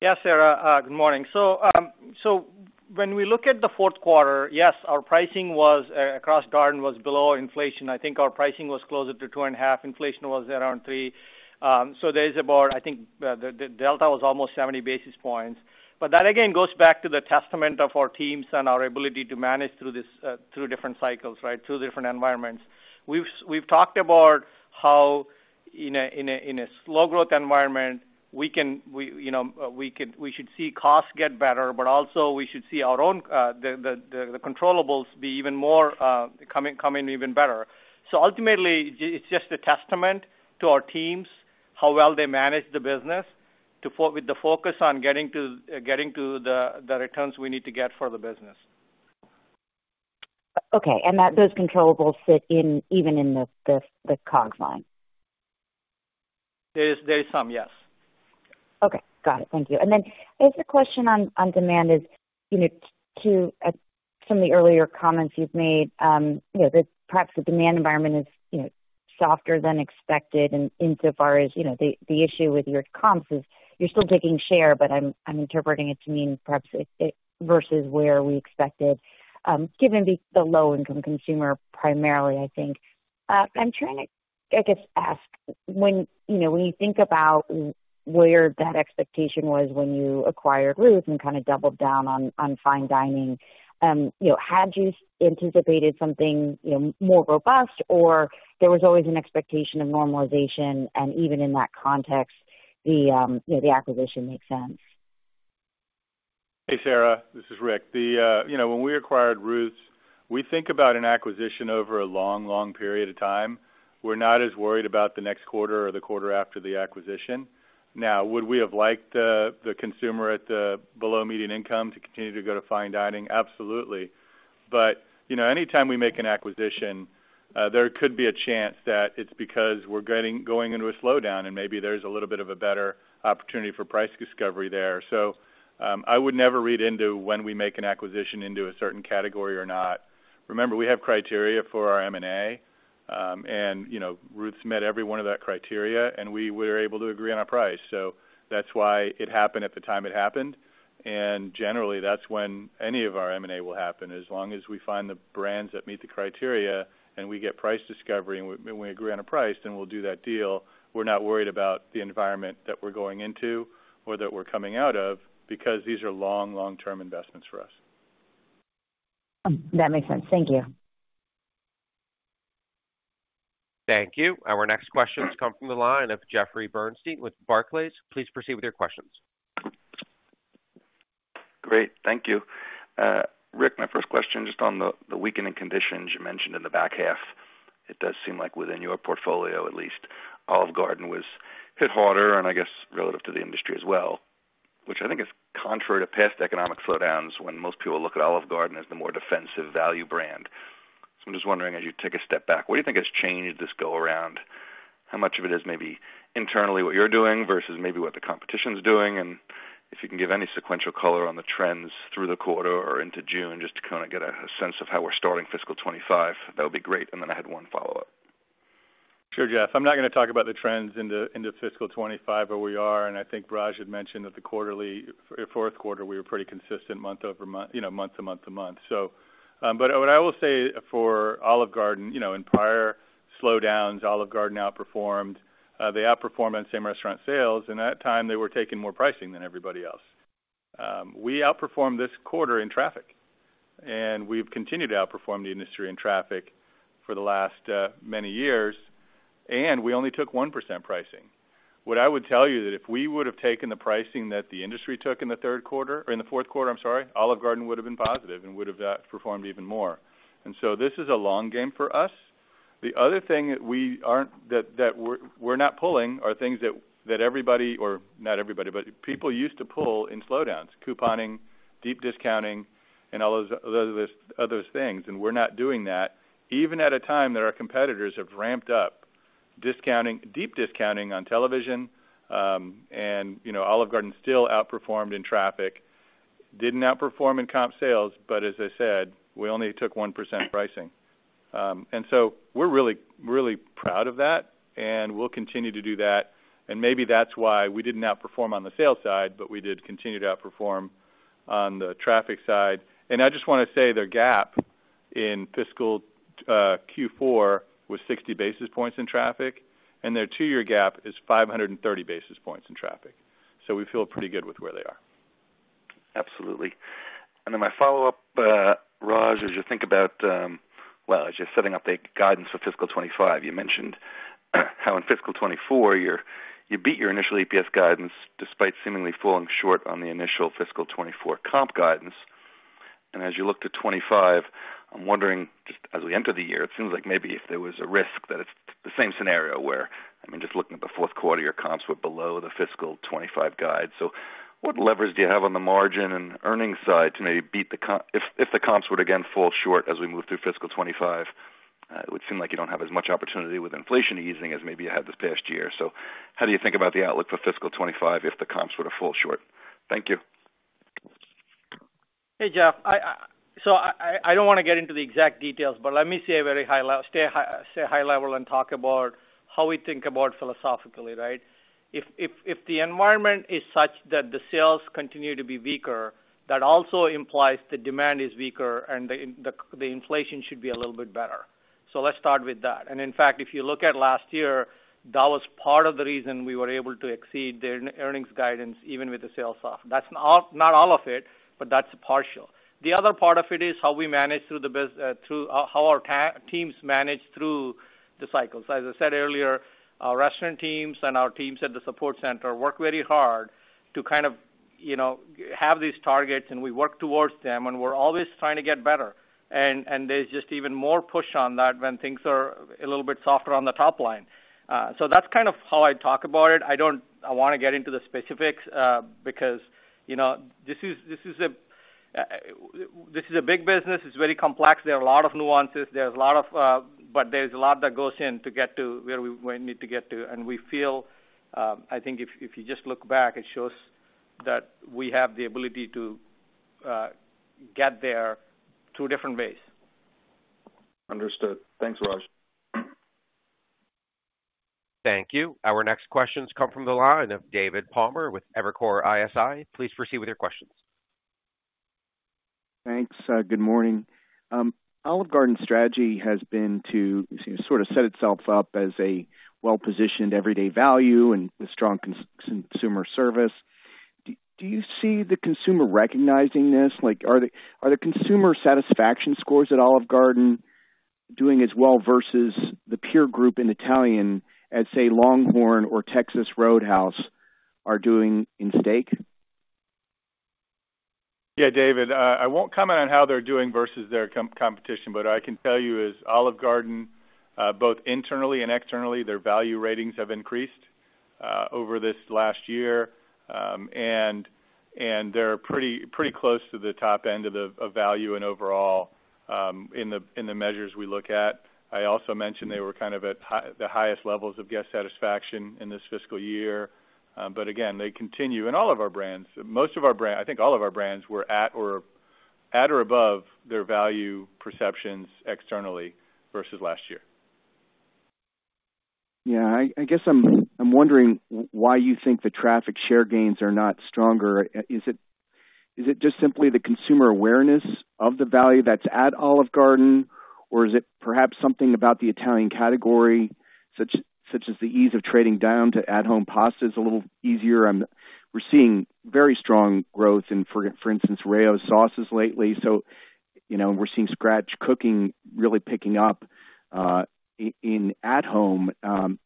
Yeah, Sara, good morning. So when we look at the fourth quarter, yes, our pricing across Darden was below inflation. I think our pricing was closer to 2.5. Inflation was around 3. So there is about, I think, the delta was almost 70 basis points. But that, again, goes back to the testament of our teams and our ability to manage through different cycles, right, through different environments. We've talked about how in a slow-growth environment, we should see costs get better, but also we should see our own the controllable be even more coming even better. So ultimately, it's just a testament to our teams, how well they manage the business, with the focus on getting to the returns we need to get for the business. Okay. And those controllable fit even in the COGS line? There is some, yes. Okay. Got it. Thank you. And then I guess the question on demand is to some of the earlier comments you've made, that perhaps the demand environment is softer than expected insofar as the issue with your comps is you're still taking share, but I'm interpreting it to mean perhaps it versus where we expected, given the low-income consumer primarily, I think. I'm trying to, I guess, ask when you think about where that expectation was when you acquired Ruth’s Chris and kind of doubled down on fine dining, had you anticipated something more robust, or there was always an expectation of normalization, and even in that context, the acquisition makes sense? Hey, Sara. This is Rick. When we acquired Ruth, we think about an acquisition over a long, long period of time. We're not as worried about the next quarter or the quarter after the acquisition. Now, would we have liked the consumer at the below-median income to continue to go to fine dining? Absolutely. But anytime we make an acquisition, there could be a chance that it's because we're going into a slowdown, and maybe there's a little bit of a better opportunity for price discovery there. So I would never read into when we make an acquisition into a certain category or not. Remember, we have criteria for our M&A, and Ruth's met every one of that criteria, and we were able to agree on a price. So that's why it happened at the time it happened. And generally, that's when any of our M&A will happen. As long as we find the brands that meet the criteria and we get price discovery and we agree on a price, then we'll do that deal. We're not worried about the environment that we're going into or that we're coming out of because these are long, long-term investments for us. That makes sense. Thank you. Thank you. Our next questions come from the line of Jeffrey Bernstein with Barclays. Please proceed with your questions. Great. Thank you. Rick, my first question just on the weakening conditions you mentioned in the back half. It does seem like within your portfolio, at least, Olive Garden was hit harder, and I guess relative to the industry as well, which I think is contrary to past economic slowdowns when most people look at Olive Garden as the more defensive value brand. So I'm just wondering, as you take a step back, what do you think has changed this go-around? How much of it is maybe internally what you're doing versus maybe what the competition's doing? And if you can give any sequential color on the trends through the quarter or into June, just to kind of get a sense of how we're starting fiscal 2025, that would be great. And then I had one follow-up. Sure, Jeff. I'm not going to talk about the trends into fiscal 2025 where we are. I think Raj had mentioned that the fourth quarter, we were pretty consistent month-to-month. But what I will say for Olive Garden, in prior slowdowns, Olive Garden outperformed. They outperformed on same restaurant sales. And at that time, they were taking more pricing than everybody else. We outperformed this quarter in traffic. And we've continued to outperform the industry in traffic for the last many years. And we only took 1% pricing. What I would tell you is that if we would have taken the pricing that the industry took in the third quarter or in the fourth quarter, I'm sorry, Olive Garden would have been positive and would have performed even more. So this is a long game for us. The other thing that we're not pulling are things that everybody or not everybody, but people used to pull in slowdowns: couponing, deep discounting, and all those other things. And we're not doing that, even at a time that our competitors have ramped up deep discounting on television. And Olive Garden still outperformed in traffic, didn't outperform in comp sales, but as I said, we only took 1% pricing. And so we're really proud of that, and we'll continue to do that. And maybe that's why we didn't outperform on the sales side, but we did continue to outperform on the traffic side. And I just want to say their gap in fiscal Q4 was 60 basis points in traffic, and their two-year gap is 530 basis points in traffic. So we feel pretty good with where they are. Absolutely. And then my follow-up, Raj, as you think about, well, as you're setting up the guidance for fiscal 2025, you mentioned how in fiscal 2024, you beat your initial EPS guidance despite seemingly falling short on the initial fiscal 2024 comp guidance. And as you look to 2025, I'm wondering, just as we enter the year, it seems like maybe if there was a risk that it's the same scenario where, I mean, just looking at the fourth quarter, your comps were below the fiscal 2025 guide. So what levers do you have on the margin and earnings side to maybe beat the comp if the comps would again fall short as we move through fiscal 2025? It would seem like you don't have as much opportunity with inflation easing as maybe you had this past year. How do you think about the outlook for fiscal 2025 if the comps were to fall short? Thank you. Hey, Jeff. So I don't want to get into the exact details, but let me say a very high level, stay high level, and talk about how we think about philosophically, right? If the environment is such that the sales continue to be weaker, that also implies the demand is weaker and the inflation should be a little bit better. So let's start with that. And in fact, if you look at last year, that was part of the reason we were able to exceed the earnings guidance even with the sales off. That's not all of it, but that's a partial. The other part of it is how we manage through the how our teams manage through the cycles. As I said earlier, our restaurant teams and our teams at the support center work very hard to kind of have these targets, and we work towards them, and we're always trying to get better. There's just even more push on that when things are a little bit softer on the top line. That's kind of how I talk about it. I don't want to get into the specifics because this is a big business. It's very complex. There are a lot of nuances. But there's a lot that goes in to get to where we need to get to. We feel, I think if you just look back, it shows that we have the ability to get there through different ways. Understood. Thanks, Raj. Thank you. Our next questions come from the line of David Palmer with Evercore ISI. Please proceed with your questions. Thanks. Good morning. Olive Garden's strategy has been to sort of set itself up as a well-positioned everyday value and strong consumer service. Do you see the consumer recognizing this? Are the consumer satisfaction scores at Olive Garden doing as well versus the peer group in Italian as, say, LongHorn or Texas Roadhouse are doing in steak? Yeah, David, I won't comment on how they're doing versus their competition, but what I can tell you is Olive Garden, both internally and externally, their value ratings have increased over this last year. And they're pretty close to the top end of value and overall in the measures we look at. I also mentioned they were kind of at the highest levels of guest satisfaction in this fiscal year. But again, they continue. And all of our brands, most of our brands, I think all of our brands were at or above their value perceptions externally versus last year. Yeah. I guess I'm wondering why you think the traffic share gains are not stronger. Is it just simply the consumer awareness of the value that's at Olive Garden, or is it perhaps something about the Italian category, such as the ease of trading down to at-home pastas a little easier? We're seeing very strong growth in, for instance, Rao's sauces lately. So we're seeing scratch cooking really picking up. In at-home,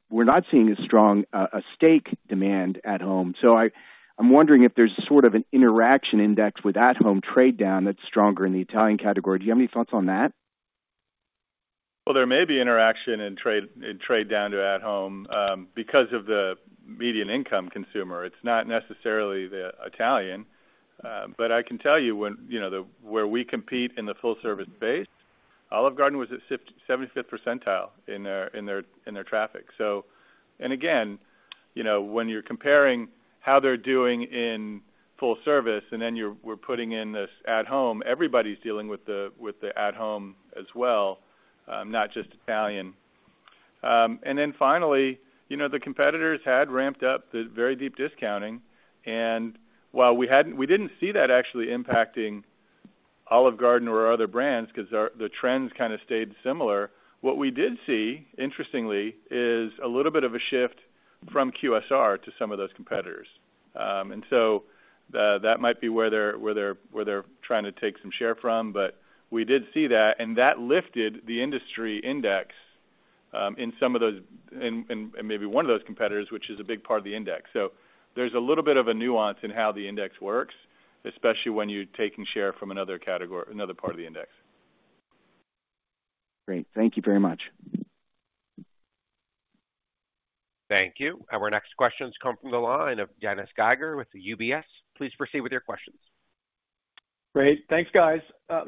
we're not seeing as strong a steak demand at home. So I'm wondering if there's sort of an interaction index with at-home trade down that's stronger in the Italian category. Do you have any thoughts on that? Well, there may be interaction in trade down to at-home because of the median income consumer. It's not necessarily the Italian. But I can tell you where we compete in the full-service space, Olive Garden was at 75th percentile in their traffic. And again, when you're comparing how they're doing in full-service and then you're putting in this at-home, everybody's dealing with the at-home as well, not just Italian. And then finally, the competitors had ramped up the very deep discounting. And while we didn't see that actually impacting Olive Garden or other brands because the trends kind of stayed similar, what we did see, interestingly, is a little bit of a shift from QSR to some of those competitors. And so that might be where they're trying to take some share from, but we did see that. That lifted the industry index in some of those and maybe one of those competitors, which is a big part of the index. There's a little bit of a nuance in how the index works, especially when you're taking share from another part of the index. Great. Thank you very much. Thank you. Our next questions come from the line of Dennis Geiger with the UBS. Please proceed with your questions. Great. Thanks, guys.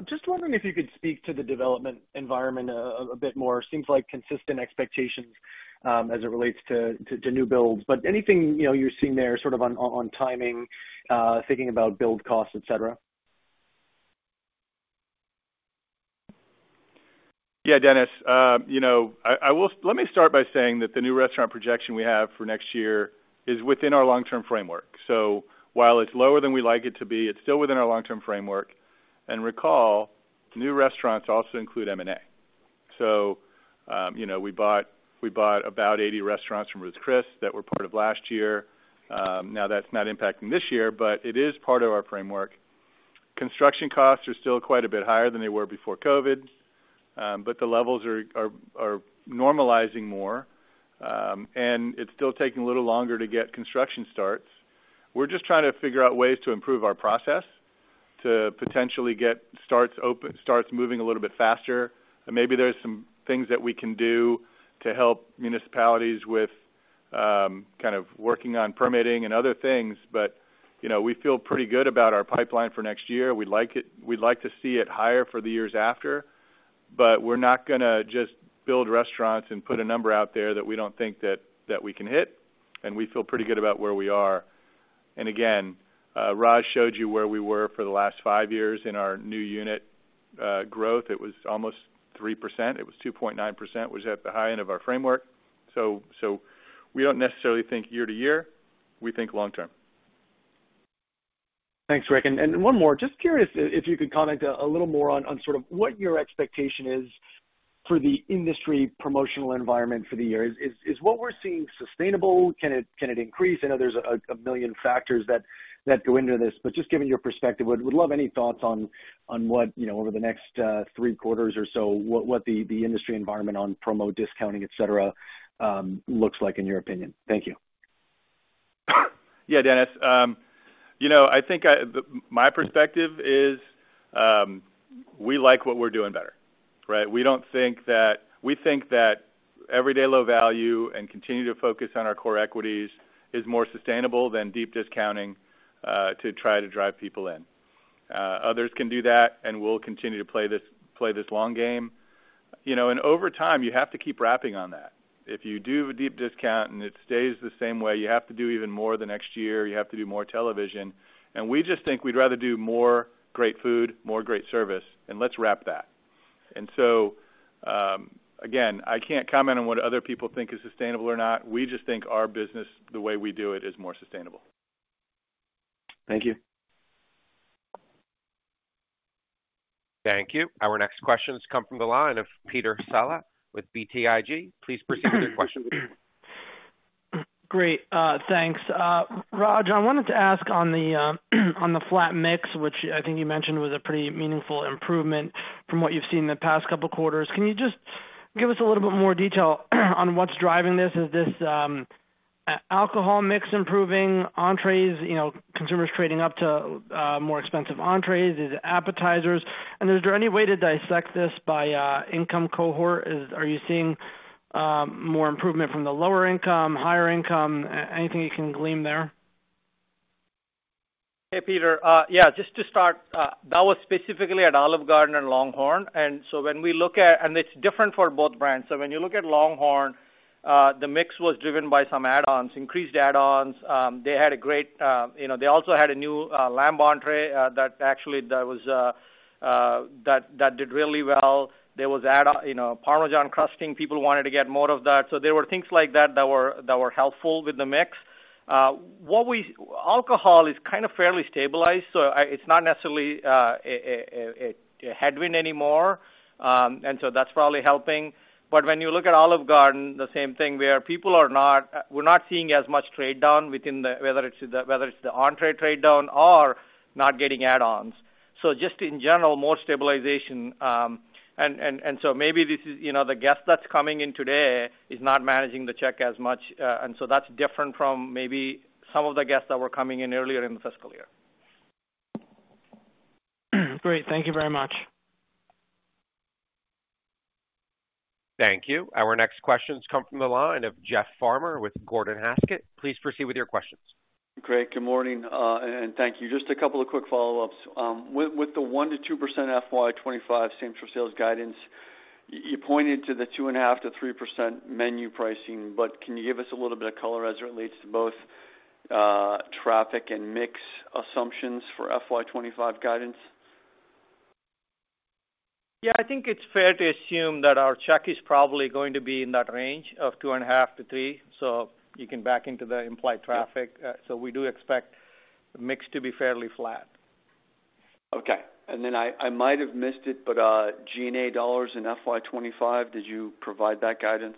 Just wondering if you could speak to the development environment a bit more. Seems like consistent expectations as it relates to new builds. But anything you're seeing there sort of on timing, thinking about build costs, etc.? Yeah, Dennis, let me start by saying that the new restaurant projection we have for next year is within our long-term framework. So while it's lower than we like it to be, it's still within our long-term framework. And recall, new restaurants also include M&A. So we bought about 80 restaurants from Ruth's Chris that were part of last year. Now, that's not impacting this year, but it is part of our framework. Construction costs are still quite a bit higher than they were before COVID, but the levels are normalizing more. And it's still taking a little longer to get construction starts. We're just trying to figure out ways to improve our process to potentially get starts moving a little bit faster. And maybe there are some things that we can do to help municipalities with kind of working on permitting and other things. We feel pretty good about our pipeline for next year. We'd like to see it higher for the years after, but we're not going to just build restaurants and put a number out there that we don't think that we can hit. We feel pretty good about where we are. Again, Raj showed you where we were for the last five years in our new unit growth. It was almost 3%. It was 2.9%, which is at the high end of our framework. We don't necessarily think year-to-year. We think long-term. Thanks, Rick. And one more. Just curious if you could comment a little more on sort of what your expectation is for the industry promotional environment for the year. Is what we're seeing sustainable? Can it increase? I know there's a million factors that go into this, but just giving your perspective, would love any thoughts on what, over the next three quarters or so, what the industry environment on promo discounting, etc., looks like in your opinion. Thank you. Yeah, Dennis. I think my perspective is we like what we're doing better, right? We think that everyday low value and continue to focus on our core equities is more sustainable than deep discounting to try to drive people in. Others can do that, and we'll continue to play this long game. And over time, you have to keep wrapping on that. If you do a deep discount and it stays the same way, you have to do even more the next year. You have to do more television. And we just think we'd rather do more great food, more great service, and let's wrap that. And so again, I can't comment on what other people think is sustainable or not. We just think our business, the way we do it, is more sustainable. Thank you. Thank you. Our next questions come from the line of Peter Saleh with BTIG. Please proceed with your questions. Great. Thanks. Raj, I wanted to ask on the flat mix, which I think you mentioned was a pretty meaningful improvement from what you've seen in the past couple of quarters. Can you just give us a little bit more detail on what's driving this? Is this alcohol mix improving entrees, consumers trading up to more expensive entrees? Is it appetizers? And is there any way to dissect this by income cohort? Are you seeing more improvement from the lower income, higher income? Anything you can glean there? Hey, Peter. Yeah, just to start, that was specifically at Olive Garden and LongHorn. And so when we look at, and it's different for both brands. So when you look at LongHorn, the mix was driven by some add-ons, increased add-ons. They also had a new lamb entree that actually did really well. There was Parmesan crusting. People wanted to get more of that. So there were things like that that were helpful with the mix. Alcohol is kind of fairly stabilized, so it's not necessarily a headwind anymore. And so that's probably helping. But when you look at Olive Garden, the same thing where people are not, we're not seeing as much trade down within, whether it's the entree trade down or not getting add-ons. So just in general, more stabilization. Maybe this is the guest that's coming in today is not managing the check as much. That's different from maybe some of the guests that were coming in earlier in the fiscal year. Great. Thank you very much. Thank you. Our next questions come from the line of Jeff Farmer with Gordon Haskett. Please proceed with your questions. Great. Good morning. Thank you. Just a couple of quick follow-ups. With the 1%-2% FY25 Same-Store Sales guidance, you pointed to the 2.5%-3% menu pricing, but can you give us a little bit of color as it relates to both traffic and mix assumptions for FY25 guidance? Yeah, I think it's fair to assume that our check is probably going to be in that range of $2.5-$3. You can back into the implied traffic. We do expect the mix to be fairly flat. Okay. And then I might have missed it, but G&A dollars in FY25, did you provide that guidance?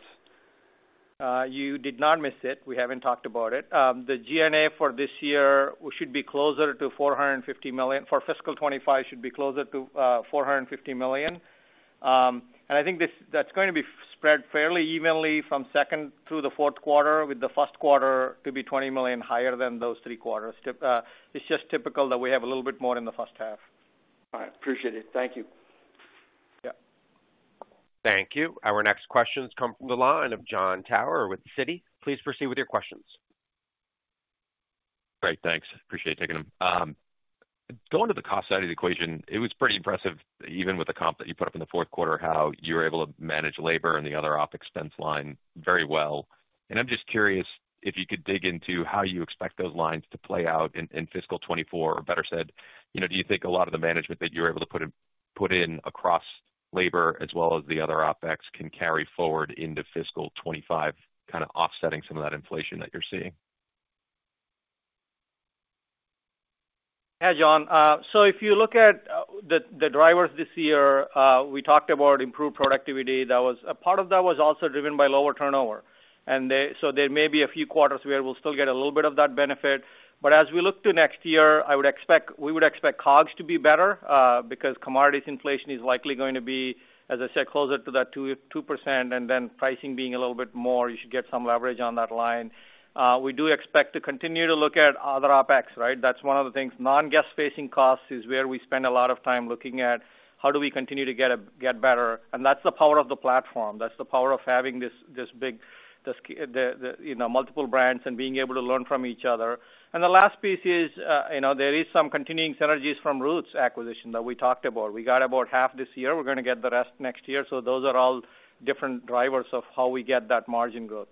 You did not miss it. We haven't talked about it. The G&A for this year should be closer to $450 million for fiscal 2025, should be closer to $450 million. And I think that's going to be spread fairly evenly from second through the fourth quarter, with the first quarter to be $20 million higher than those three quarters. It's just typical that we have a little bit more in the first half. All right. Appreciate it. Thank you. Yeah. Thank you. Our next questions come from the line of John Tower with Citi. Please proceed with your questions. Great. Thanks. Appreciate taking them. Going to the cost side of the equation, it was pretty impressive even with the comp that you put up in the fourth quarter, how you were able to manage labor and the other OpEx line very well. I'm just curious if you could dig into how you expect those lines to play out in fiscal 2024, or better said, do you think a lot of the management that you were able to put in across labor as well as the other OpEx can carry forward into fiscal 2025, kind of offsetting some of that inflation that you're seeing? Yeah, John. So if you look at the drivers this year, we talked about improved productivity. Part of that was also driven by lower turnover. And so there may be a few quarters where we'll still get a little bit of that benefit. But as we look to next year, we would expect COGS to be better because commodities inflation is likely going to be, as I said, closer to that 2%, and then pricing being a little bit more, you should get some leverage on that line. We do expect to continue to look at other OpEx, right? That's one of the things. Non-guest-facing costs is where we spend a lot of time looking at how do we continue to get better. And that's the power of the platform. That's the power of having this big multiple brands and being able to learn from each other. The last piece is there is some continuing synergies from Ruth’s acquisition that we talked about. We got about half this year. We're going to get the rest next year. Those are all different drivers of how we get that margin growth.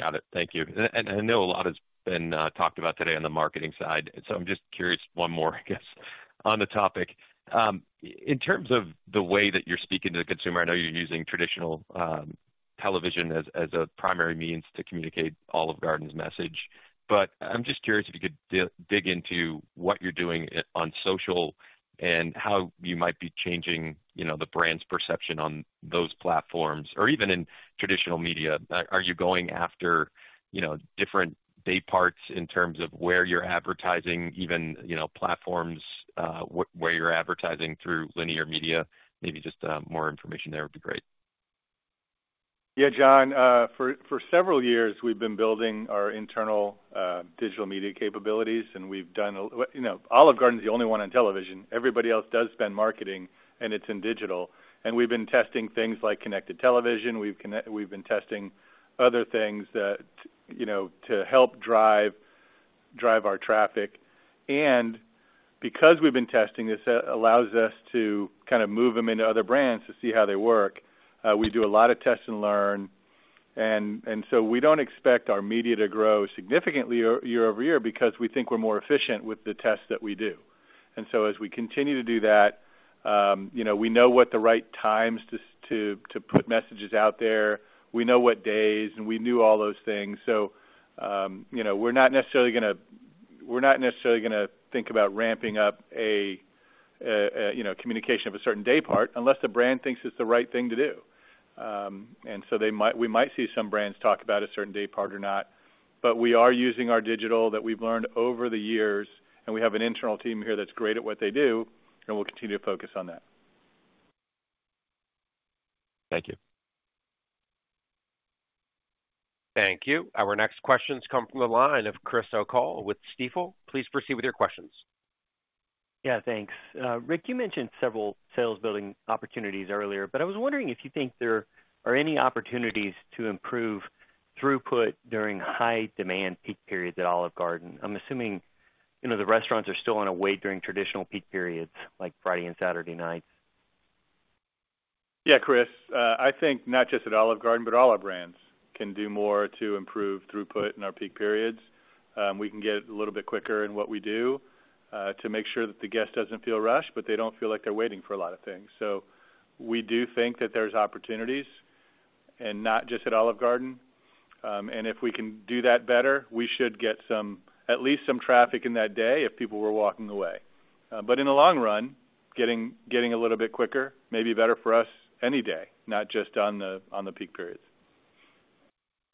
Got it. Thank you. I know a lot has been talked about today on the marketing side. So I'm just curious one more, I guess, on the topic. In terms of the way that you're speaking to the consumer, I know you're using traditional television as a primary means to communicate Olive Garden's message. But I'm just curious if you could dig into what you're doing on social and how you might be changing the brand's perception on those platforms or even in traditional media. Are you going after different day parts in terms of where you're advertising, even platforms where you're advertising through linear media? Maybe just more information there would be great. Yeah, John. For several years, we've been building our internal digital media capabilities, and we've done. Olive Garden's the only one on television. Everybody else does spend marketing, and it's in digital. We've been testing things like connected television. We've been testing other things to help drive our traffic. Because we've been testing, this allows us to kind of move them into other brands to see how they work. We do a lot of test and learn. So we don't expect our media to grow significantly year-over-year because we think we're more efficient with the tests that we do. As we continue to do that, we know what the right times to put messages out there. We know what days, and we knew all those things. So we're not necessarily going to think about ramping up a communication of a certain day part unless the brand thinks it's the right thing to do. So we might see some brands talk about a certain day part or not. But we are using our digital that we've learned over the years, and we have an internal team here that's great at what they do, and we'll continue to focus on that. Thank you. Thank you. Our next questions come from the line of Chris O’Cull with Stifel. Please proceed with your questions. Yeah, thanks. Rick, you mentioned several sales-building opportunities earlier, but I was wondering if you think there are any opportunities to improve throughput during high-demand peak periods at Olive Garden. I'm assuming the restaurants are still on a wait during traditional peak periods like Friday and Saturday nights. Yeah, Chris, I think not just at Olive Garden, but all our brands can do more to improve throughput in our peak periods. We can get it a little bit quicker in what we do to make sure that the guest doesn't feel rushed, but they don't feel like they're waiting for a lot of things. So we do think that there's opportunities and not just at Olive Garden. And if we can do that better, we should get at least some traffic in that day if people were walking away. But in the long run, getting a little bit quicker may be better for us any day, not just on the peak periods.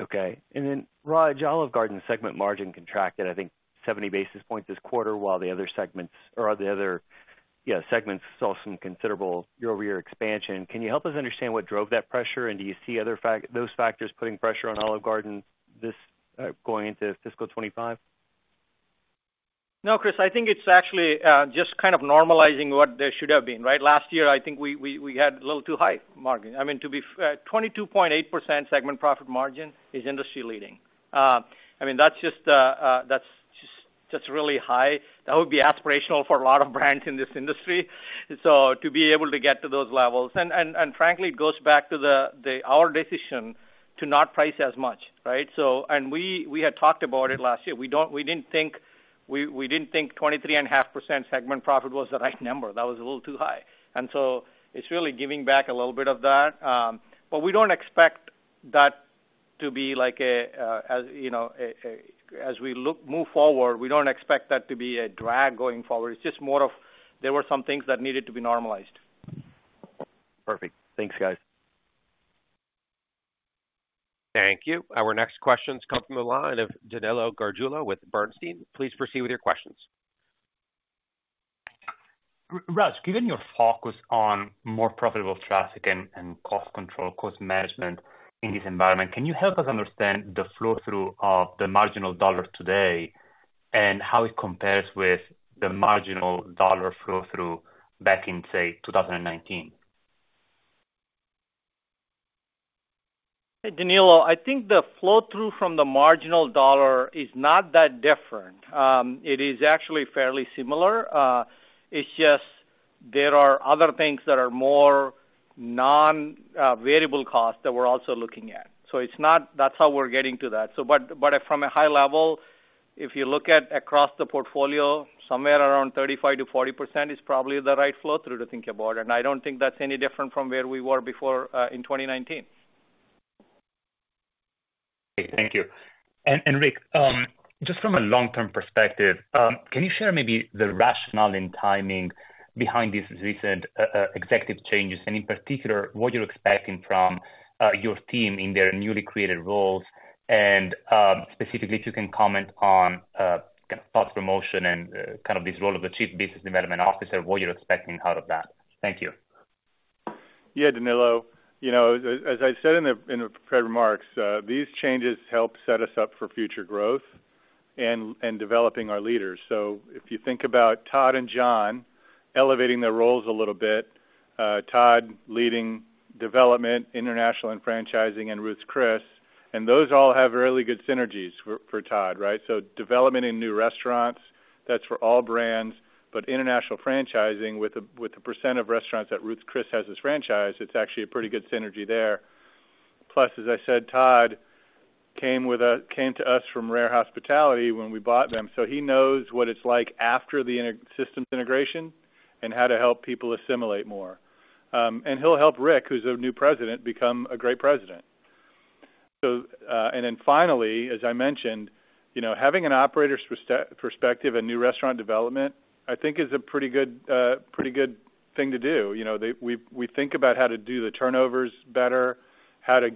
Okay. And then, Raj, Olive Garden's segment margin contracted, I think, 70 basis points this quarter while the other segments or the other segments saw some considerable year-over-year expansion. Can you help us understand what drove that pressure, and do you see those factors putting pressure on Olive Garden this going into fiscal 2025? No, Chris, I think it's actually just kind of normalizing what there should have been, right? Last year, I think we had a little too high margin. I mean, to be 22.8% segment profit margin is industry-leading. I mean, that's just really high. That would be aspirational for a lot of brands in this industry. So to be able to get to those levels. And frankly, it goes back to our decision to not price as much, right? And we had talked about it last year. We didn't think 23.5% segment profit was the right number. That was a little too high. And so it's really giving back a little bit of that. But we don't expect that to be like as we move forward, we don't expect that to be a drag going forward. It's just more of there were some things that needed to be normalized. Perfect. Thanks, guys. Thank you. Our next questions come from the line of Danilo Gargiulo with Bernstein. Please proceed with your questions. Raj, given your focus on more profitable traffic and cost control, cost management in this environment, can you help us understand the flow-through of the marginal dollar today and how it compares with the marginal dollar flow-through back in, say, 2019? Hey, Danilo, I think the flow-through from the marginal dollar is not that different. It is actually fairly similar. It's just there are other things that are more non-variable costs that we're also looking at. So that's how we're getting to that. But from a high level, if you look at across the portfolio, somewhere around 35%-40% is probably the right flow-through to think about. And I don't think that's any different from where we were before in 2019. Okay. Thank you. Rick, just from a long-term perspective, can you share maybe the rationale in timing behind these recent executive changes and in particular what you're expecting from your team in their newly created roles? Specifically, if you can comment on kind of thought promotion and kind of this role of the Chief Business Development Officer, what you're expecting out of that? Thank you. Yeah, Danilo. As I said in the prepared remarks, these changes help set us up for future growth and developing our leaders. So if you think about Todd and John elevating their roles a little bit, Todd leading development, international and franchising, and Ruth's Chris, and those all have really good synergies for Todd, right? So development in new restaurants, that's for all brands, but international franchising with the percent of restaurants that Ruth's Chris has as franchise, it's actually a pretty good synergy there. Plus, as I said, Todd came to us from Rare Hospitality when we bought them. So he knows what it's like after the systems integration and how to help people assimilate more. And he'll help Rick, who's a new president, become a great president. And then finally, as I mentioned, having an operator's perspective and new restaurant development, I think, is a pretty good thing to do. We think about how to do the turnovers better, how to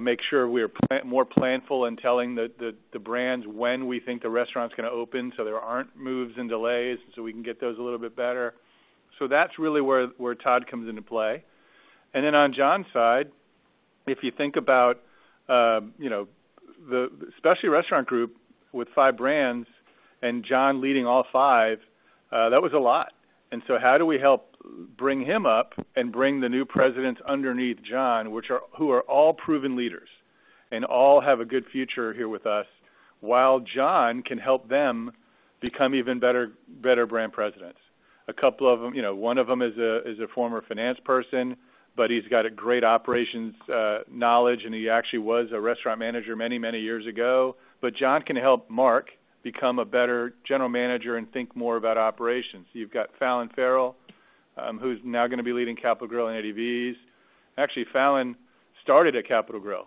make sure we're more planful in telling the brands when we think the restaurant's going to open so there aren't moves and delays so we can get those a little bit better. So that's really where Todd comes into play. And then on John's side, if you think about the Specialty Restaurant Group with five brands and John leading all five, that was a lot. And so how do we help bring him up and bring the new presidents underneath John, who are all proven leaders and all have a good future here with us, while John can help them become even better brand presidents? A couple of them, one of them is a former finance person, but he's got a great operations knowledge, and he actually was a restaurant manager many, many years ago. But John can help Mark become a better general manager and think more about operations. You've got Falynne Farrell, who's now going to be leading The Capital Grille and Eddie V's. Actually, Fallon started at The Capital Grille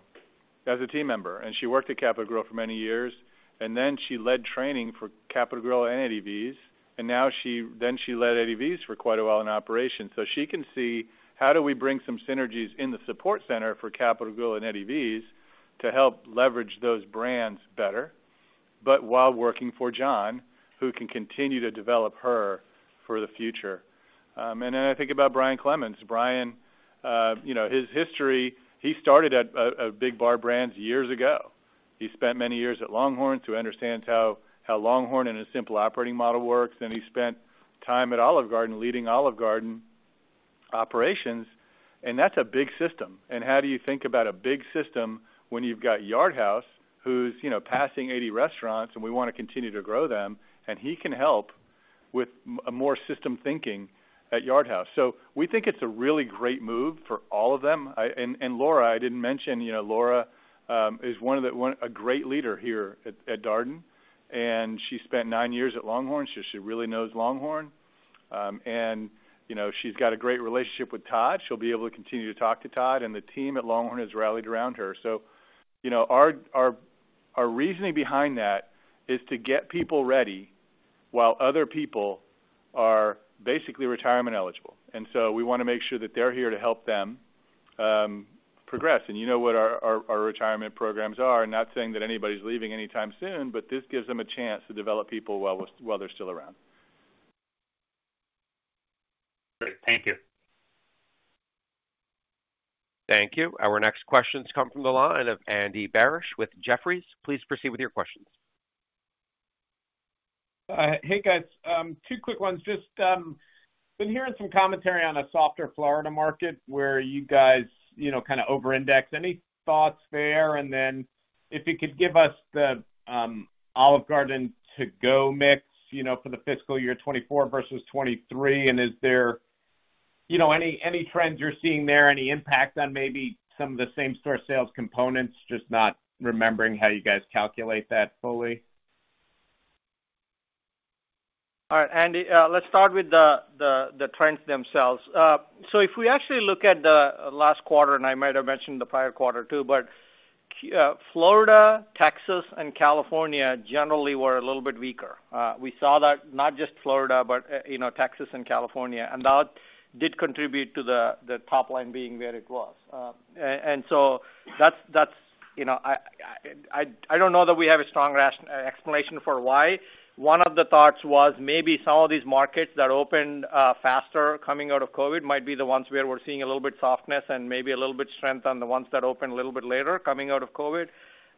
as a team member, and she worked at The Capital Grille for many years. And then she led training for The Capital Grille and Eddie V's. And then she led Eddie V's for quite a while in operations. So she can see how do we bring some synergies in the support center for The Capital Grille and Eddie V's to help leverage those brands better while working for John, who can continue to develop her for the future. And then I think about Bryan Clements. Brian, his history, he started at a big bar brand years ago. He spent many years at LongHorn. So he understands how LongHorn and a simple operating model works. And he spent time at Olive Garden leading Olive Garden operations. And that's a big system. And how do you think about a big system when you've got Yard House, who's passing 80 restaurants, and we want to continue to grow them? And he can help with more system thinking at Yard House. So we think it's a really great move for all of them. And Laura, I didn't mention, Laura is a great leader here at Darden. And she spent nine years at LongHorn. She really knows LongHorn. And she's got a great relationship with Todd. She'll be able to continue to talk to Todd, and the team at LongHorn has rallied around her. Our reasoning behind that is to get people ready while other people are basically retirement eligible. So we want to make sure that they're here to help them progress. You know what our retirement programs are. I'm not saying that anybody's leaving anytime soon, but this gives them a chance to develop people while they're still around. Great. Thank you. Thank you. Our next questions come from the line of Andy Barish with Jefferies. Please proceed with your questions. Hey, guys. Two quick ones. Just been hearing some commentary on a softer Florida market where you guys kind of over-index. Any thoughts there? And then if you could give us the Olive Garden to-go mix for the fiscal year 2024 versus 2023, and is there any trends you're seeing there, any impact on maybe some of the same-store sales components, just not remembering how you guys calculate that fully? All right, Andy. Let's start with the trends themselves. So if we actually look at the last quarter, and I might have mentioned the prior quarter too, but Florida, Texas, and California generally were a little bit weaker. We saw that not just Florida, but Texas and California. And that did contribute to the top line being where it was. And so that's. I don't know that we have a strong explanation for why. One of the thoughts was maybe some of these markets that opened faster coming out of COVID might be the ones where we're seeing a little bit of softness and maybe a little bit of strength on the ones that opened a little bit later coming out of COVID.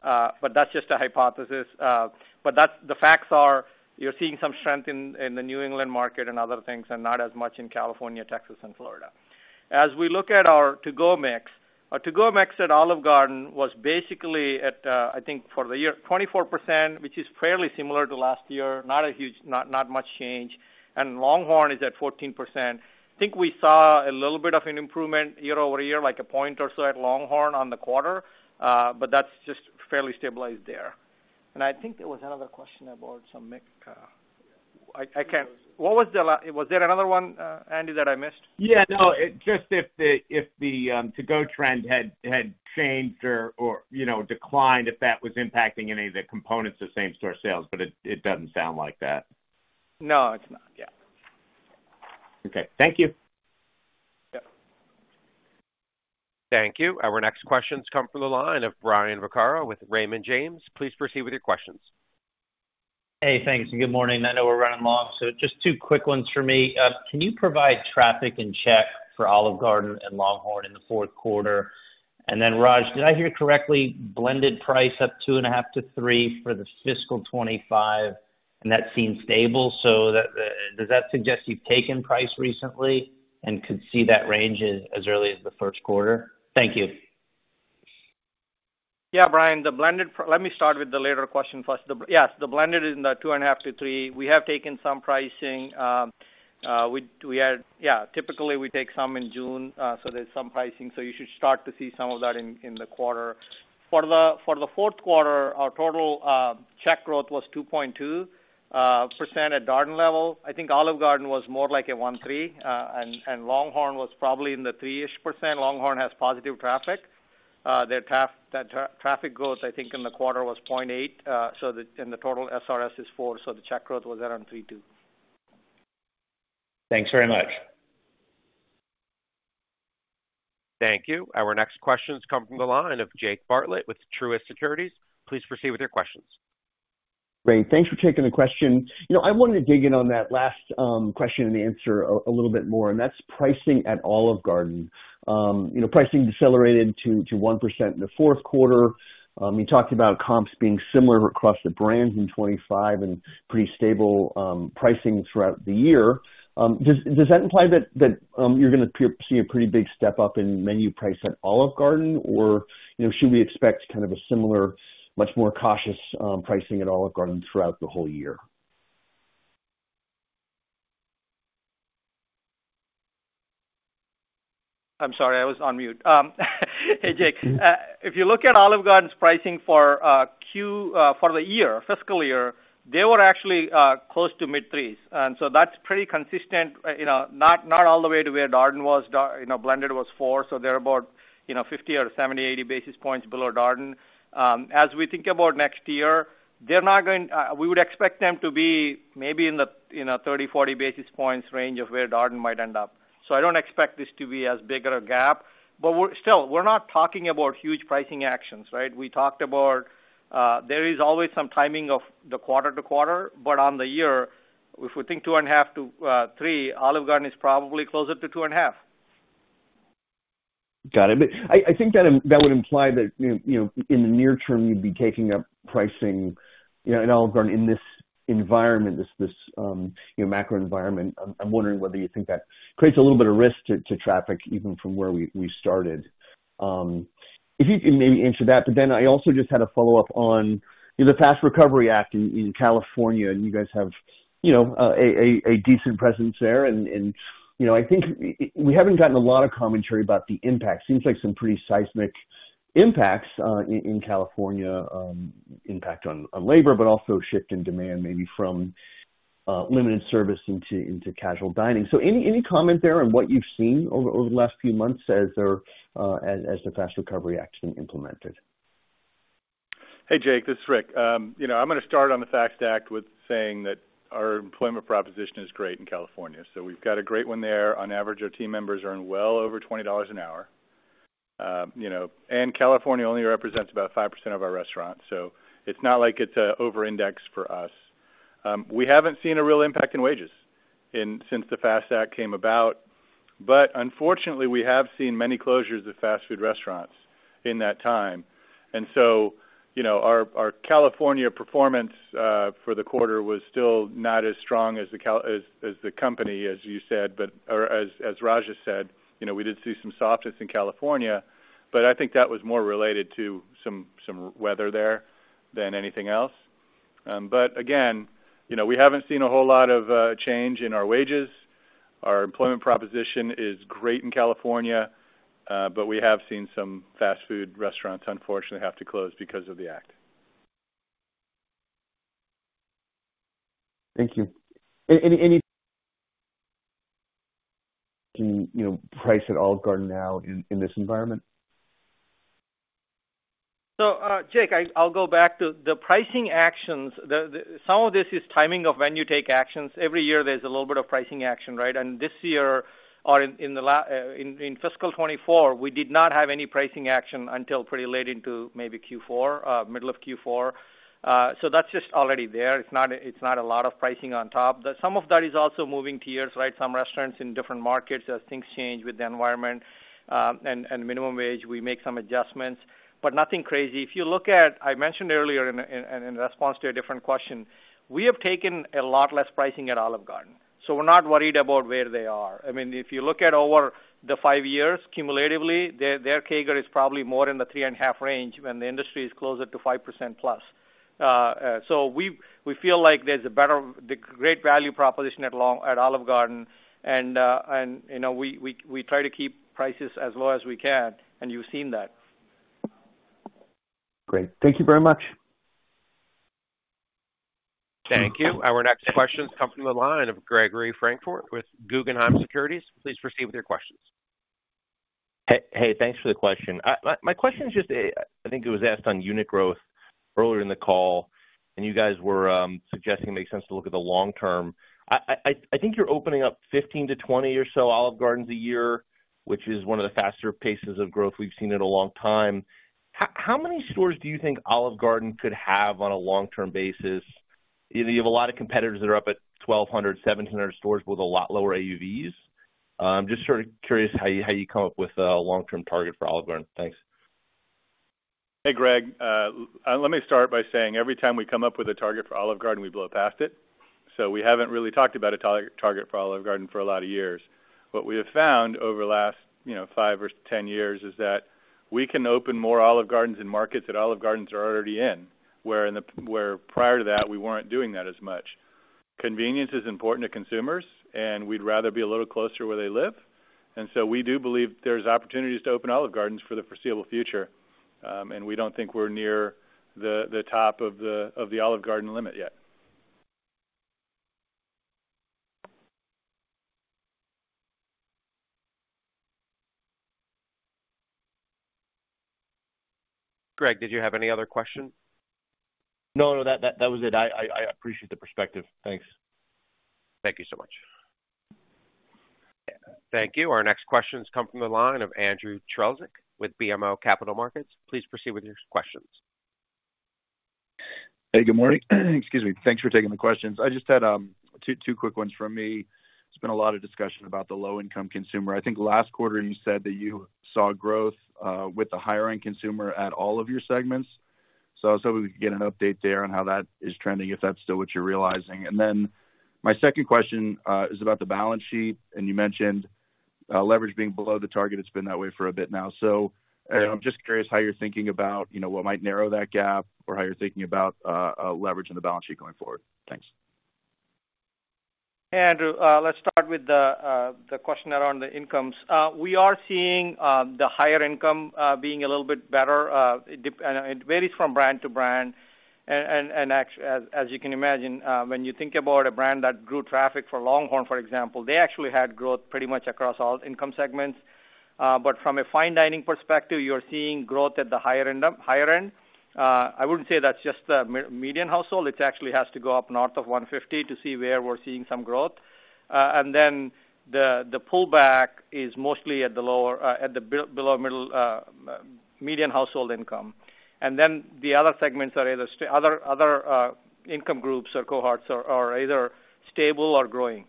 But that's just a hypothesis. But the facts are you're seeing some strength in the New England market and other things and not as much in California, Texas, and Florida. As we look at our to-go mix, our to-go mix at Olive Garden was basically, I think, for the year 24%, which is fairly similar to last year, not much change. And LongHorn is at 14%. I think we saw a little bit of an improvement year-over-year, like a point or so at LongHorn on the quarter, but that's just fairly stabilized there. I think there was another question about some mix. I can't. What was the last? Was there another one, Andy, that I missed? Yeah, no, just if the to-go trend had changed or declined, if that was impacting any of the components of same-store sales, but it doesn't sound like that. No, it's not. Yeah. Okay. Thank you. Yep. Thank you. Our next questions come from the line of Brian Vaccaro with Raymond James. Please proceed with your questions. Hey, thanks. And good morning. I know we're running long, so just two quick ones for me. Can you provide traffic and check for Olive Garden and LongHorn in the fourth quarter? And then, Raj, did I hear correctly? Blended price up 2.5-3 for the fiscal 2025, and that seems stable. So does that suggest you've taken price recently and could see that range as early as the first quarter? Thank you. Yeah, Brian, the blended—let me start with the latter question first. Yes, the blended is in the 2.5-3. We have taken some pricing. Yeah, typically, we take some in June, so there's some pricing. So you should start to see some of that in the quarter. For the fourth quarter, our total check growth was 2.2% at Darden level. I think Olive Garden was more like a 1.3, and LongHorn was probably in the 3%-ish. LongHorn has positive traffic. Their traffic growth, I think, in the quarter was 0.8, and the total SRS is 4. So the check growth was around 3.2. Thanks very much. Thank you. Our next questions come from the line of Jake Bartlett with Truist Securities. Please proceed with your questions. Great. Thanks for taking the question. I wanted to dig in on that last question and answer a little bit more, and that's pricing at Olive Garden. Pricing decelerated to 1% in the fourth quarter. You talked about comps being similar across the brands in 2025 and pretty stable pricing throughout the year. Does that imply that you're going to see a pretty big step up in menu price at Olive Garden, or should we expect kind of a similar, much more cautious pricing at Olive Garden throughout the whole year? I'm sorry, I was on mute. Hey, Jake. If you look at Olive Garden's pricing for Q4 for the year, fiscal year, they were actually close to mid-threes. And so that's pretty consistent, not all the way to where Darden was. Blended was 4, so they're about 50 or 70, 80 basis points below Darden. As we think about next year, they're not going to we would expect them to be maybe in the 30-40 basis points range of where Darden might end up. So I don't expect this to be as big of a gap. But still, we're not talking about huge pricing actions, right? We talked about there is always some timing of the quarter-to-quarter, but on the year, if we think 2.5-3, Olive Garden is probably closer to 2.5. Got it. But I think that would imply that in the near term, you'd be taking up pricing at Olive Garden in this environment, this macro environment. I'm wondering whether you think that creates a little bit of risk to traffic even from where we started. If you can maybe answer that. But then I also just had a follow-up on the FAST Act in California, and you guys have a decent presence there. And I think we haven't gotten a lot of commentary about the impact. Seems like some pretty seismic impacts in California impact on labor, but also shift in demand maybe from limited service into casual dining. So any comment there on what you've seen over the last few months as the FAST Act's been implemented? Hey, Jake, this is Rick. I'm going to start on the FAST Act with saying that our employment proposition is great in California. So we've got a great one there. On average, our team members earn well over $20 an hour. And California only represents about 5% of our restaurants. So it's not like it's over-indexed for us. We haven't seen a real impact in wages since the FAST Act came about. But unfortunately, we have seen many closures of fast food restaurants in that time. And so our California performance for the quarter was still not as strong as the company, as you said, or as Raj has said. We did see some softness in California, but I think that was more related to some weather there than anything else. But again, we haven't seen a whole lot of change in our wages. Our employment proposition is great in California, but we have seen some fast food restaurants, unfortunately, have to close because of the act. Thank you. Any price at Olive Garden now in this environment? So Jake, I'll go back to the pricing actions. Some of this is timing of when you take actions. Every year, there's a little bit of pricing action, right? And this year, or in fiscal 2024, we did not have any pricing action until pretty late into maybe Q4, middle of Q4. So that's just already there. It's not a lot of pricing on top. Some of that is also moving tiers, right? Some restaurants in different markets, as things change with the environment and minimum wage, we make some adjustments. But nothing crazy. If you look at, I mentioned earlier in response to a different question, we have taken a lot less pricing at Olive Garden. So we're not worried about where they are. I mean, if you look at over the 5 years, cumulatively, their CAGR is probably more in the 3.5 range when the industry is closer to 5%+. We feel like there's a great value proposition at Olive Garden, and we try to keep prices as low as we can, and you've seen that. Great. Thank you very much. Thank you. Our next questions come from the line of Gregory Francfort with Guggenheim Securities. Please proceed with your questions. Hey, thanks for the question. My question is just, I think it was asked on unit growth earlier in the call, and you guys were suggesting it makes sense to look at the long term. I think you're opening up 15-20 or so Olive Gardens a year, which is one of the faster paces of growth we've seen in a long time. How many stores do you think Olive Garden could have on a long-term basis? You have a lot of competitors that are up at 1,200, 1,700 stores with a lot lower AUVs. Just sort of curious how you come up with a long-term target for Olive Garden. Thanks. Hey, Greg. Let me start by saying every time we come up with a target for Olive Garden, we blow past it. So we haven't really talked about a target for Olive Garden for a lot of years. What we have found over the last five or 10 years is that we can open more Olive Gardens in markets that Olive Gardens are already in, where prior to that, we weren't doing that as much. Convenience is important to consumers, and we'd rather be a little closer where they live. And so we do believe there's opportunities to open Olive Gardens for the foreseeable future, and we don't think we're near the top of the Olive Garden limit yet. Greg, did you have any other questions? No, no, that was it. I appreciate the perspective. Thanks. Thank you so much. Thank you. Our next questions come from the line of Andrew Strelzik with BMO Capital Markets. Please proceed with your questions. Hey, good morning. Excuse me. Thanks for taking the questions. I just had two quick ones from me. There's been a lot of discussion about the low-income consumer. I think last quarter, you said that you saw growth with a higher-end consumer at all of your segments. So I was hoping we could get an update there on how that is trending, if that's still what you're realizing. And then my second question is about the balance sheet, and you mentioned leverage being below the target. It's been that way for a bit now. So I'm just curious how you're thinking about what might narrow that gap or how you're thinking about leveraging the balance sheet going forward. Thanks. Hey, Andrew. Let's start with the question around the incomes. We are seeing the higher income being a little bit better. It varies from brand to brand. And as you can imagine, when you think about a brand that grew traffic for LongHorn, for example, they actually had growth pretty much across all income segments. But from a fine dining perspective, you're seeing growth at the higher end. I wouldn't say that's just the median household. It actually has to go up north of 150 to see where we're seeing some growth. And then the pullback is mostly at the below middle median household income. And then the other segments are either other income groups or cohorts are either stable or growing.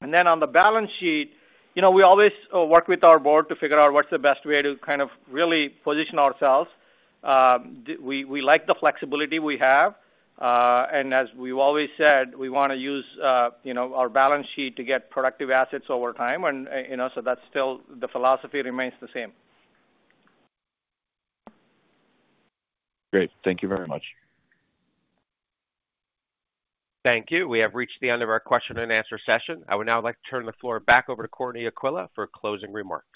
And then on the balance sheet, we always work with our board to figure out what's the best way to kind of really position ourselves. We like the flexibility we have. As we've always said, we want to use our balance sheet to get productive assets over time. So that's still the philosophy remains the same. Great. Thank you very much. Thank you. We have reached the end of our question and answer session. I would now like to turn the floor back over to Courtney Aquila for closing remarks.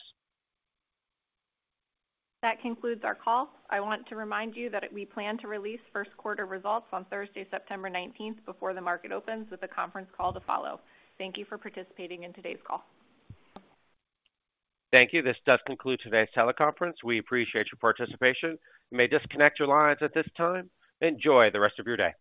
That concludes our call. I want to remind you that we plan to release first quarter results on Thursday, September 19th, before the market opens with a conference call to follow. Thank you for participating in today's call. Thank you. This does conclude today's teleconference. We appreciate your participation. You may disconnect your lines at this time. Enjoy the rest of your day.